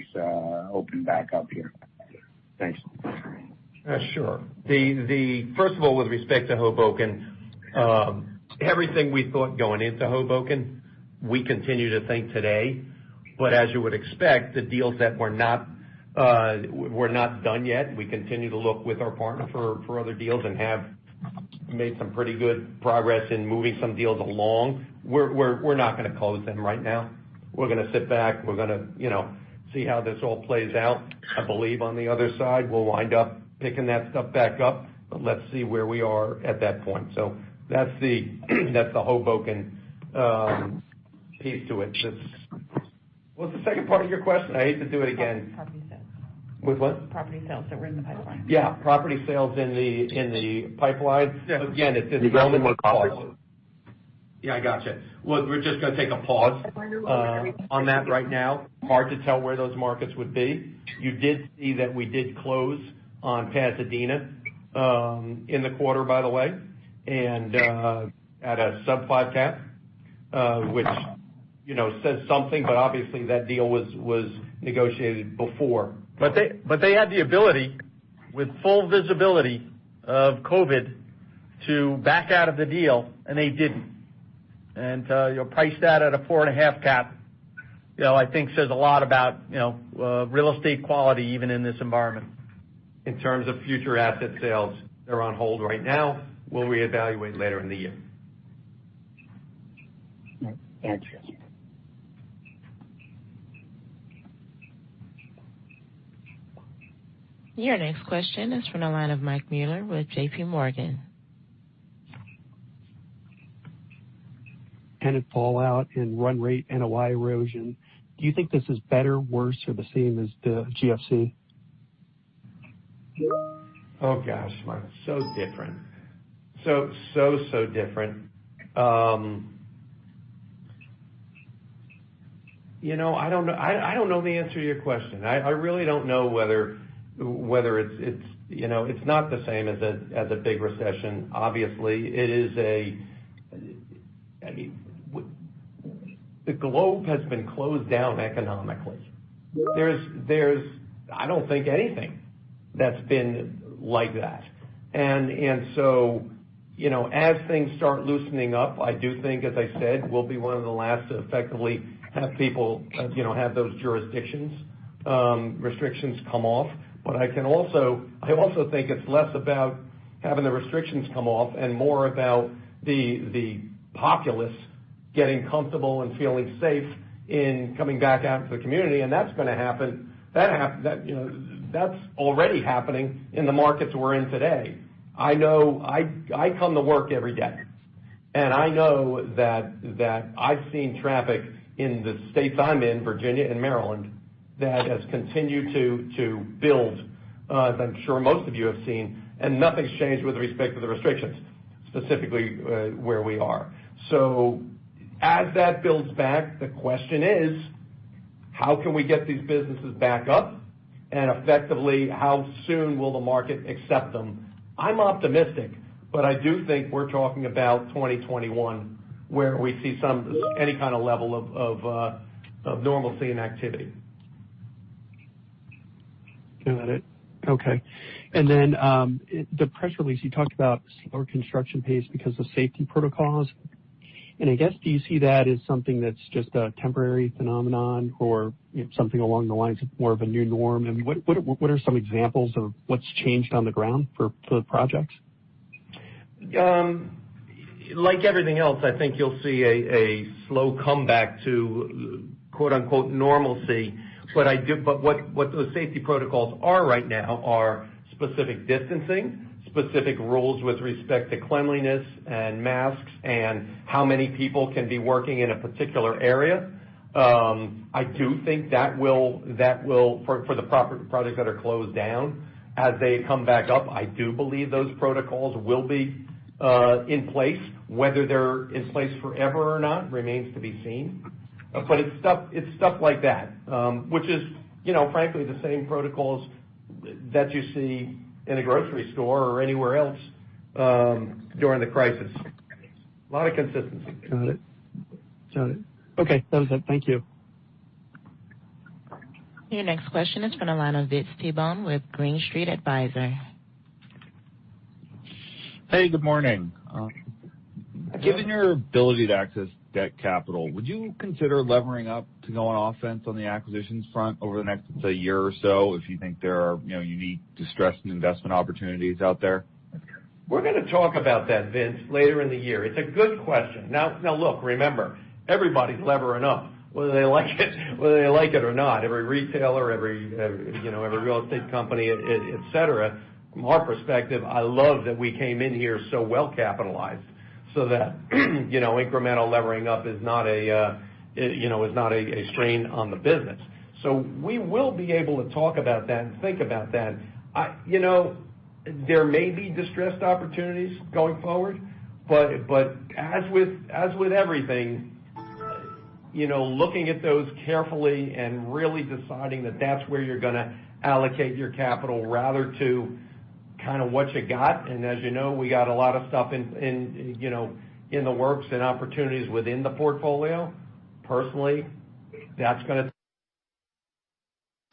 open back up here? Thanks. Sure. First of all, with respect to Hoboken, everything we thought going into Hoboken, we continue to think today. As you would expect, the deals that were not done yet, we continue to look with our partner for other deals and have made some pretty good progress in moving some deals along. We're not going to close them right now. We're going to sit back, we're going to see how this all plays out. I believe on the other side, we'll wind up picking that stuff back up, but let's see where we are at that point. That's the Hoboken piece to it. What's the second part of your question? I hate to do it again. Property sales. With what? Property sales that were in the pipeline. Yeah, property sales in the pipeline. Again, it's. Do you know when we'll call it? I got you. Look, we're just going to take a pause on that right now. Hard to tell where those markets would be. You did see that we did close on Pasadena in the quarter, by the way, and at a sub-5 cap, which says something, but obviously, that deal was negotiated before. They had the ability, with full visibility of COVID, to back out of the deal, and they didn't. Priced that at a four and a half cap, I think says a lot about real estate quality, even in this environment. In terms of future asset sales, they're on hold right now. We'll reevaluate later in the year. Thank you. Your next question is from the line of Mike Mueller with JPMorgan. In fallout, in run rate, NOI erosion, do you think this is better, worse, or the same as the GFC? Oh, gosh, Mike. Different. Different. I don't know the answer to your question. I really don't know. It's not the same as the big recession, obviously. The globe has been closed down economically. There's, I don't think anything that's been like that. As things start loosening up, I do think, as I said, we'll be one of the last to effectively have people, have those jurisdictions restrictions come off. I also think it's less about having the restrictions come off and more about the populace getting comfortable and feeling safe in coming back out into the community, and that's going to happen. That's already happening in the markets we're in today. I come to work every day, and I know that I've seen traffic in the states I'm in, Virginia and Maryland, that has continued to build as I'm sure most of you have seen, and nothing's changed with respect to the restrictions, specifically, where we are. As that builds back, the question is, how can we get these businesses back up? Effectively, how soon will the market accept them? I'm optimistic, but I do think we're talking about 2021, where we see any kind of level of normalcy and activity. Got it. Okay. The press release, you talked about slower construction pace because of safety protocols. I guess, do you see that as something that's just a temporary phenomenon or something along the lines of more of a new norm? What are some examples of what's changed on the ground for the projects? Like everything else, I think you'll see a slow comeback to "normalcy." What those safety protocols are right now are specific distancing, specific rules with respect to cleanliness and masks, and how many people can be working in a particular area. For the projects that are closed down as they come back up, I do believe those protocols will be in place. Whether they're in place forever or not remains to be seen. It's stuff like that, which is frankly, the same protocols that you see in a grocery store or anywhere else during the crisis. A lot of consistency. Got it. Okay. That was it. Thank you. Your next question is from the line of Vince Tibone with Green Street Advisors Hey, good morning. Good morning. Given your ability to access debt capital, would you consider levering up to go on offense on the acquisitions front over the next year or so if you think there are unique distressed investment opportunities out there? We're going to talk about that, Vince, later in the year. It's a good question. Look, remember, everybody's levering up, whether they like it or not. Every retailer, every real estate company, et cetera. From our perspective, I love that we came in here so well-capitalized, so that incremental levering up is not a strain on the business. We will be able to talk about that and think about that. There may be distressed opportunities going forward, but as with everything, looking at those carefully and really deciding that that's where you're going to allocate your capital rather to kind of what you got. As you know, we got a lot of stuff in the works and opportunities within the portfolio. Personally, that's going to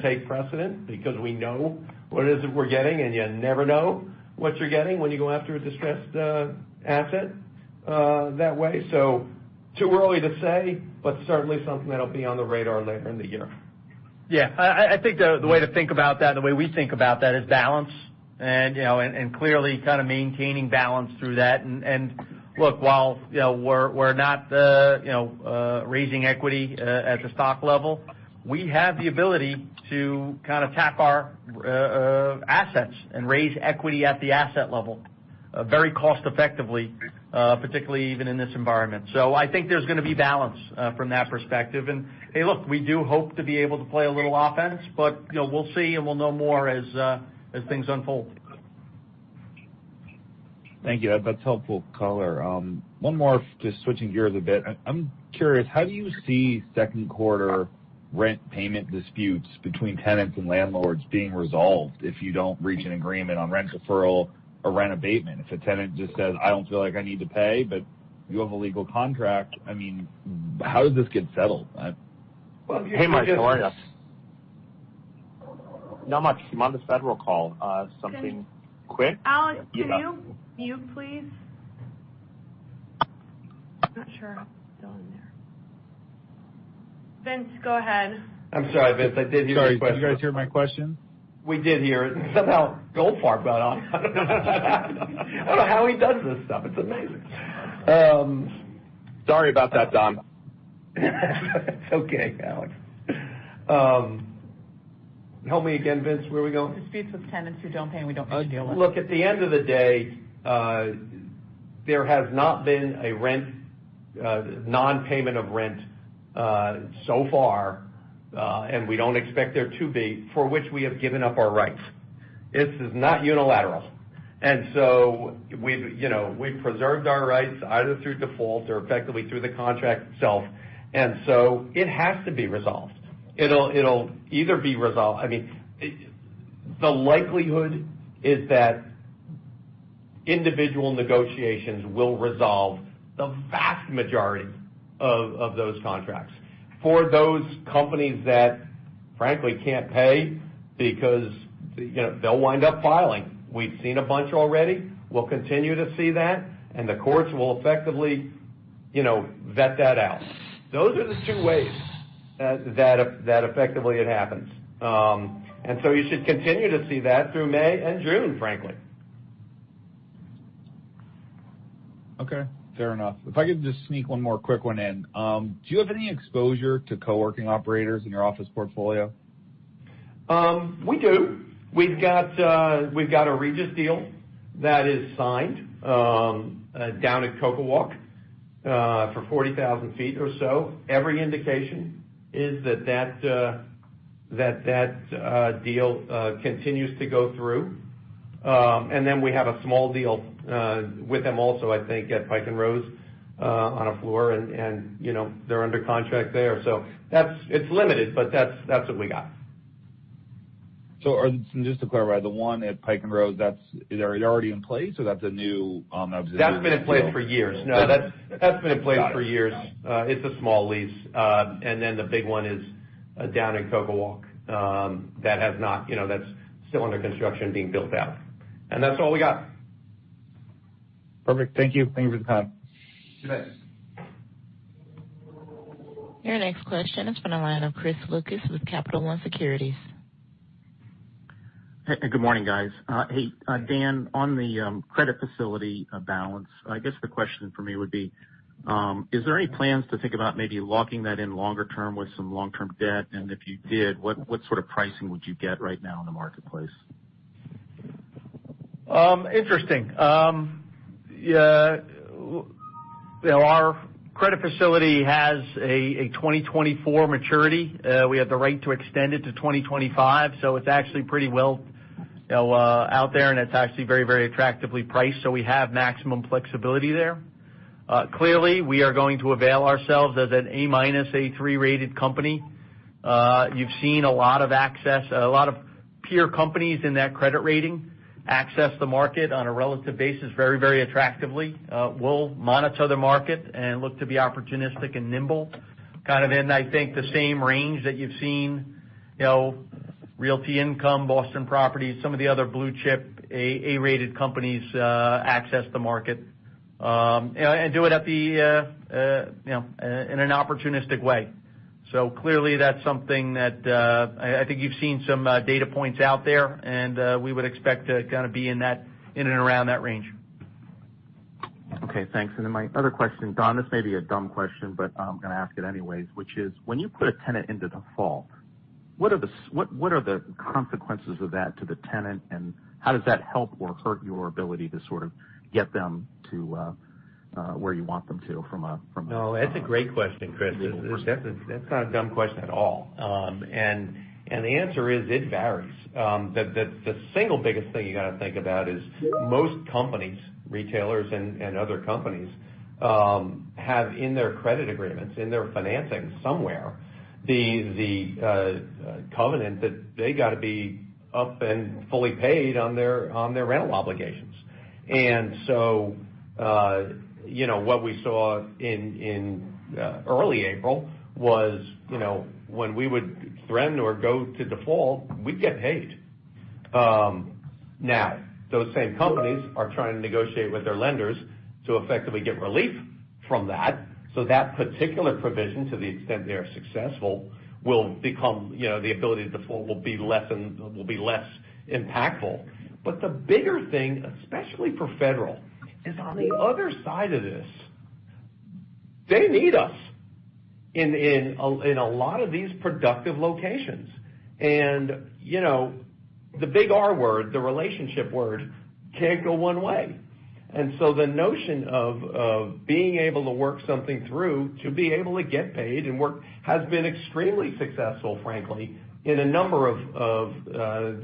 take precedent because we know what it is that we're getting, and you never know what you're getting when you go after a distressed asset that way. Too early to say, but certainly something that'll be on the radar later in the year. Yeah. I think the way to think about that, and the way we think about that, is balance, and clearly maintaining balance through that. Look, while we're not raising equity at the stock level, we have the ability to tap our assets and raise equity at the asset level very cost effectively, particularly even in this environment. I think there's going to be balance from that perspective. Hey, look, we do hope to be able to play a little offense, but we'll see and we'll know more as things unfold. Thank you, Ed. That's helpful color. One more, just switching gears a bit. I'm curious, how do you see second-quarter rent payment disputes between tenants and landlords being resolved if you don't reach an agreement on rent deferral or rent abatement? If a tenant just says, "I don't feel like I need to pay," but you have a legal contract, how does this get settled? Hey, Mark. How are you? Not much. I'm on this Federal call. Something quick? Alex, can you mute please? I'm not sure if he's still in there. Vince, go ahead. I'm sorry, Vince. I did hear your question. Sorry. Did you guys hear my question? We did hear it. Somehow Goldfarb got on. I don't know how he does this stuff. It's amazing. Sorry about that, Don. It's okay, Alex. Help me again, Vince. Where are we going? Disputes with tenants who don't pay and we don't reach a deal with. Look, at the end of the day, there has not been a non-payment of rent so far, and we don't expect there to be, for which we have given up our rights. This is not unilateral. We've preserved our rights either through default or effectively through the contract itself. It has to be resolved. The likelihood is that individual negotiations will resolve the vast majority of those contracts. For those companies that frankly can't pay because they'll wind up filing. We've seen a bunch already. We'll continue to see that, and the courts will effectively vet that out. Those are the two ways that effectively it happens. You should continue to see that through May and June, frankly. Okay. Fair enough. If I could just sneak one more quick one in. Do you have any exposure to co-working operators in your office portfolio? We do. We've got a Regus deal that is signed down at CocoWalk for 40,000 ft or so. Every indication is that that deal continues to go through. We have a small deal with them also, I think, at Pike & Rose on a floor and they're under contract there. It's limited, but that's what we got. Just to clarify, the one at Pike & Rose that's already in place, or that's a new deal? That's been in place for years. No, that's been in place for years. Got it. It's a small lease. The big one is down in CocoWalk. That's still under construction, being built out. That's all we got. Perfect. Thank you. Thank you for the time. Thanks. Your next question is from the line of Chris Lucas with Capital One Securities. Hey, good morning, guys. Hey, Dan, on the credit facility balance, I guess the question for me would be, is there any plans to think about maybe locking that in longer term with some long-term debt? If you did, what sort of pricing would you get right now in the marketplace? Interesting. Our credit facility has a 2024 maturity. We have the right to extend it to 2025. It's actually pretty well out there, and it's actually very attractively priced. We have maximum flexibility there. We are going to avail ourselves as an A-, A3-rated company. You've seen a lot of peer companies in that credit rating access the market on a relative basis very attractively. We'll monitor the market and look to be opportunistic and nimble, in I think the same range that you've seen Realty Income, Boston Properties, some of the other blue-chip, A-rated companies access the market, and do it in an opportunistic way. That's something that I think you've seen some data points out there, and we would expect to be in and around that range. Okay, thanks. My other question. Don, this may be a dumb question, but I'm going to ask it anyways, which is, when you put a tenant into default, what are the consequences of that to the tenant, and how does that help or hurt your ability to sort of get them to where you want them to from. That's a great question, Chris. That's not a dumb question at all. The answer is it varies. The single biggest thing you got to think about is most companies, retailers and other companies, have in their credit agreements, in their financing somewhere, the covenant that they got to be up and fully paid on their rental obligations. What we saw in early April was when we would threaten or go to default, we'd get paid. Now, those same companies are trying to negotiate with their lenders to effectively get relief from that. That particular provision, to the extent they are successful, the ability to default will be less impactful. The bigger thing, especially for Federal, is on the other side of this, they need us in a lot of these productive locations. The big R word, the relationship word, can't go one way. The notion of being able to work something through to be able to get paid and work has been extremely successful, frankly, in a number of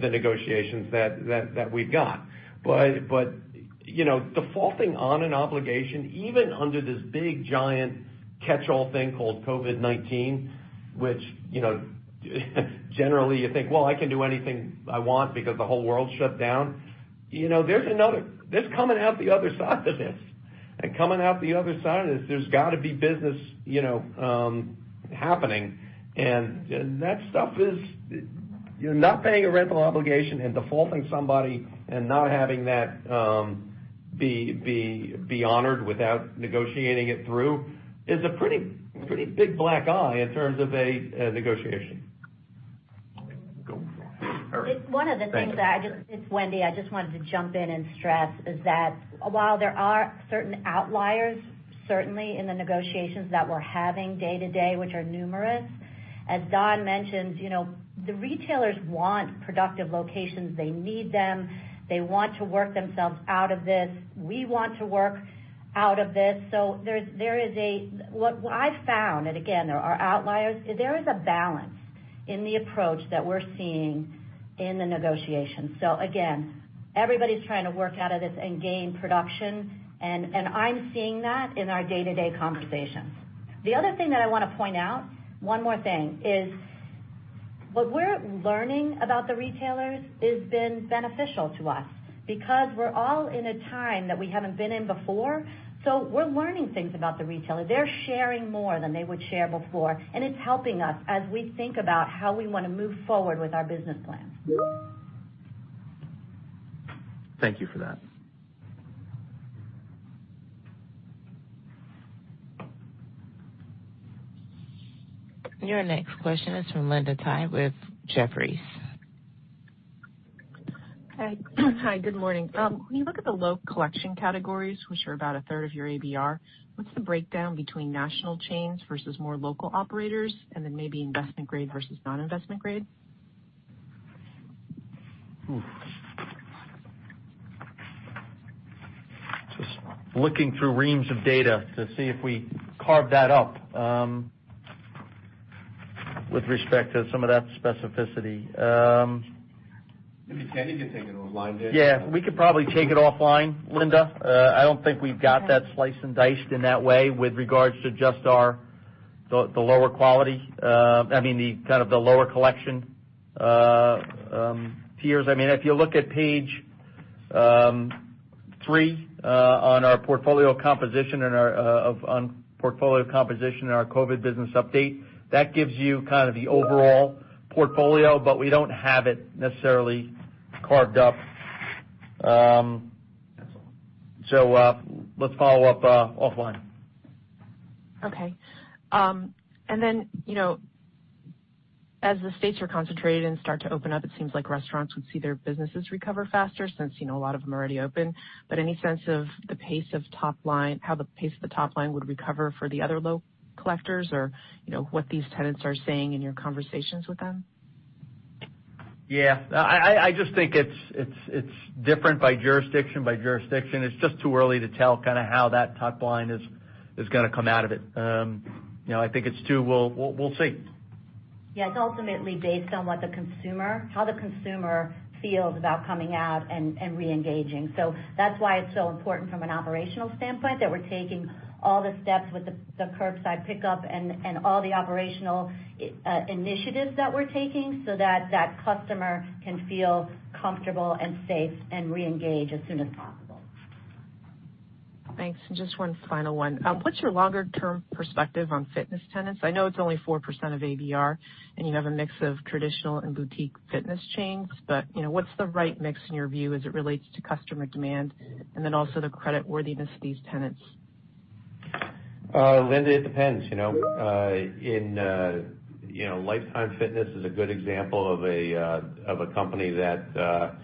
the negotiations that we've got. Defaulting on an obligation, even under this big, giant catchall thing called COVID-19, which generally you think, "Well, I can do anything I want because the whole world's shut down." There's coming out the other side of this. Coming out the other side of this, there's got to be business happening. That stuff is you're not paying a rental obligation and defaulting somebody and not having that be honored without negotiating it through is a pretty big black eye in terms of a negotiation. Go for it. All right. It's one of the things that. It's Wendy. I just wanted to jump in and stress is that while there are certain outliers, certainly in the negotiations that we're having day to day, which are numerous, as Don mentioned, the retailers want productive locations. They need them. They want to work themselves out of this. We want to work out of this. What I've found, again, there are outliers, there is a balance in the approach that we're seeing in the negotiations. Again, everybody's trying to work out of this and gain production, and I'm seeing that in our day-to-day conversations. The other thing that I want to point out, one more thing, is what we're learning about the retailers has been beneficial to us because we're all in a time that we haven't been in before. We're learning things about the retailer. They're sharing more than they would share before, and it's helping us as we think about how we want to move forward with our business plans. Thank you for that. Your next question is from Linda Tsai with Jefferies. Hi. Good morning. When you look at the low collection categories, which are about a third of your ABR, what's the breakdown between national chains versus more local operators, and then maybe investment grade versus non-investment grade? Oof. Just looking through reams of data to see if we carved that up with respect to some of that specificity. Maybe, Kenny, can take it offline there. Yeah, we could probably take it offline, Linda. I don't think we've got that sliced and diced in that way with regards to just the lower quality, the lower collection tiers. If you look at page three on portfolio composition in our COVID business update, that gives you the overall portfolio, but we don't have it necessarily carved up. Let's follow up offline. Okay. As the states are concentrated and start to open up, it seems like restaurants would see their businesses recover faster since a lot of them are already open. Any sense of how the pace of the top line would recover for the other low collectors or what these tenants are saying in your conversations with them? Yeah. I just think it's different by jurisdiction. It's just too early to tell how that top line is going to come out of it. We'll see. Yeah. It's ultimately based on how the consumer feels about coming out and reengaging. That's why it's so important from an operational standpoint, that we're taking all the steps with the curbside pickup and all the operational initiatives that we're taking so that that customer can feel comfortable and safe and reengage as soon as possible. Thanks. Just one final one. Sure. What's your longer-term perspective on fitness tenants? I know it's only 4% of ABR, and you have a mix of traditional and boutique fitness chains, but what's the right mix in your view as it relates to customer demand, and then also the creditworthiness of these tenants? Linda, it depends. Life Time is a good example of a company that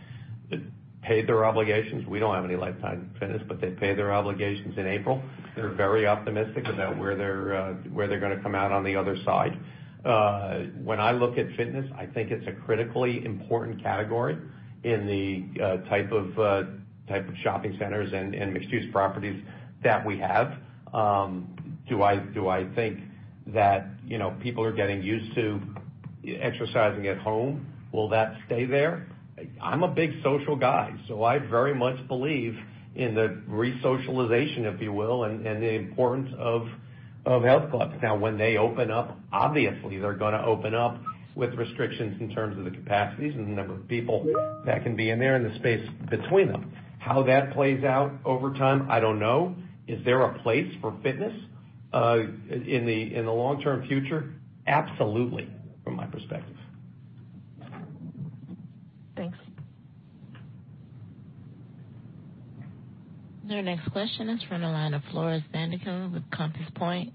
paid their obligations. We don't have any Life Time, but they paid their obligations in April. They're very optimistic about where they're going to come out on the other side. When I look at fitness, I think it's a critically important category in the type of shopping centers and mixed-use properties that we have. Do I think that people are getting used to exercising at home? Will that stay there? I'm a big social guy, so I very much believe in the resocialization, if you will, and the importance of health clubs. Now, when they open up, obviously, they're going to open up with restrictions in terms of the capacities and the number of people that can be in there and the space between them. How that plays out over time, I don't know. Is there a place for fitness? In the long-term future? Absolutely, from my perspective. Thanks. Our next question is from the line of Floris van Dijkum with Compass Point.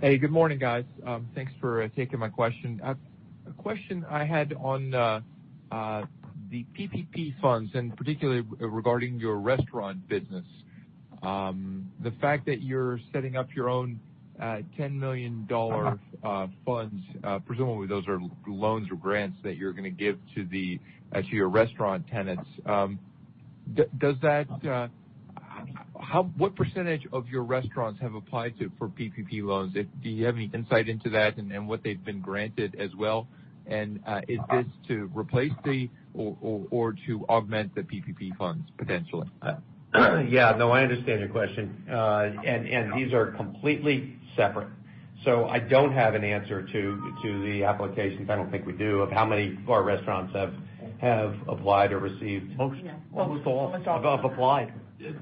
Hey, good morning, guys. Thanks for taking my question. A question I had on the PPP funds, and particularly regarding your restaurant business. The fact that you're setting up your own $10 million funds, presumably those are loans or grants that you're going to give to your restaurant tenants. What percentage of your restaurants have applied for PPP loans? Do you have any insight into that and what they've been granted as well? Is this to replace or to augment the PPP funds, potentially? Yeah. No, I understand your question. These are completely separate. I don't have an answer to the applications. I don't think we do, of how many of our restaurants have applied or received. Most all have applied. Received?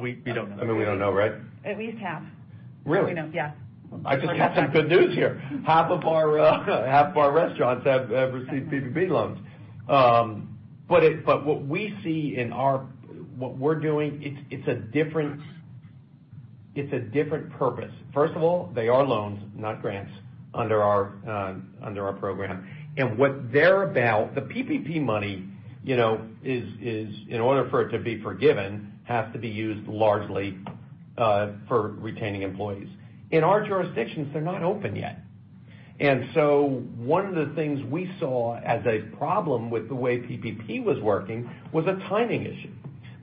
We don't know. We don't know, right? At least half. Really? Yes. I just got some good news here. Half of our restaurants have received PPP loans. What we're doing, it's a different purpose. First of all, they are loans, not grants, under our program. What they're about, the PPP money, in order for it to be forgiven, has to be used largely for retaining employees. In our jurisdictions, they're not open yet. One of the things we saw as a problem with the way PPP was working was a timing issue.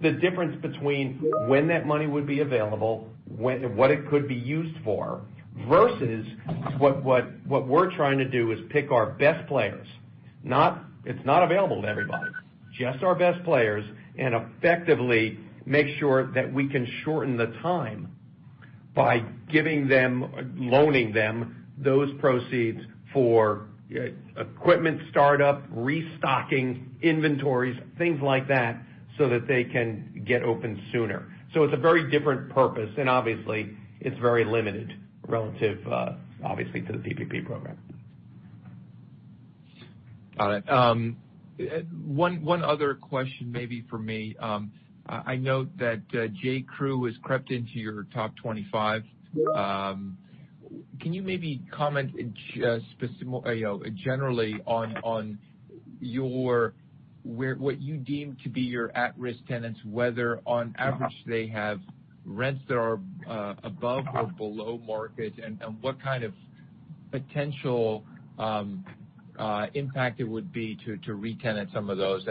The difference between when that money would be available, what it could be used for, versus what we're trying to do is pick our best players. It's not available to everybody, just our best players, and effectively make sure that we can shorten the time by loaning them those proceeds for equipment startup, restocking inventories, things like that, so that they can get open sooner. It's a very different purpose, and obviously, it's very limited relative, obviously, to the PPP program. Got it. One other question maybe from me. I note that J. Crew has crept into your top 25. Can you maybe comment generally on what you deem to be your at-risk tenants, whether on average they have rents that are above or below market, and what kind of potential impact it would be to re-tenant some of those?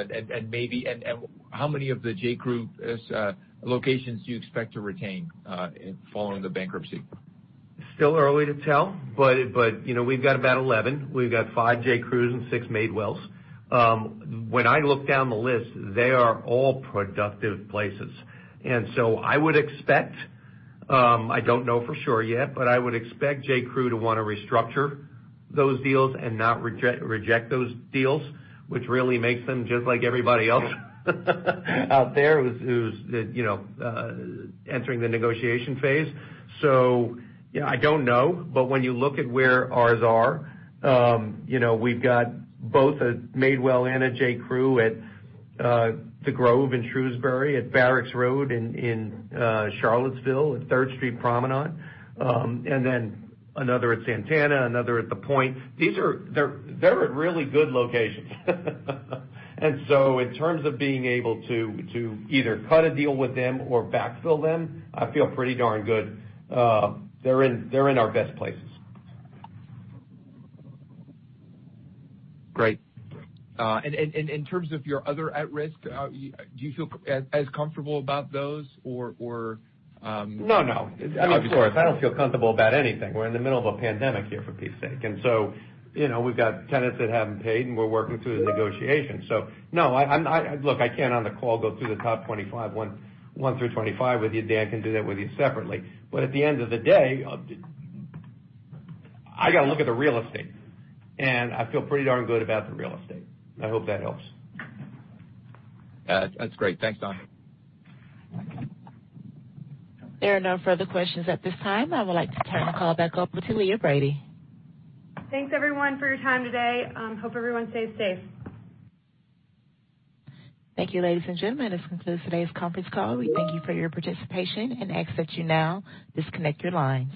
How many of the J. Crew locations do you expect to retain following the bankruptcy? Still early to tell, but we've got about 11. We've got five J.Crews and six Madewells. When I look down the list, they are all productive places. I would expect, I don't know for sure yet, but I would expect J.Crew to want to restructure those deals and not reject those deals, which really makes them just like everybody else out there who's entering the negotiation phase. I don't know, but when you look at where ours are, we've got both a Madewell and a J.Crew at The Grove in Shrewsbury, at Barracks Road in Charlottesville, at Third Street Promenade. Another at Santana, another at The Point. They're at really good locations. In terms of being able to either cut a deal with them or backfill them, I feel pretty darn good. They're in our best places. Great. In terms of your other at-risk, do you feel as comfortable about those? No. Obviously. I don't feel comfortable about anything. We're in the middle of a pandemic here, for Pete's sake. We've got tenants that haven't paid, and we're working through the negotiations. No. Look, I can't on the call go through the top 25, one through 25 with you, Dan. I can do that with you separately. At the end of the day, I got to look at the real estate, and I feel pretty darn good about the real estate. I hope that helps. That's great. Thanks, Don. There are no further questions at this time. I would like to turn the call back over to Leah Brady. Thanks everyone for your time today. Hope everyone stays safe. Thank you, ladies and gentlemen. This concludes today's conference call. We thank you for your participation and ask that you now disconnect your lines.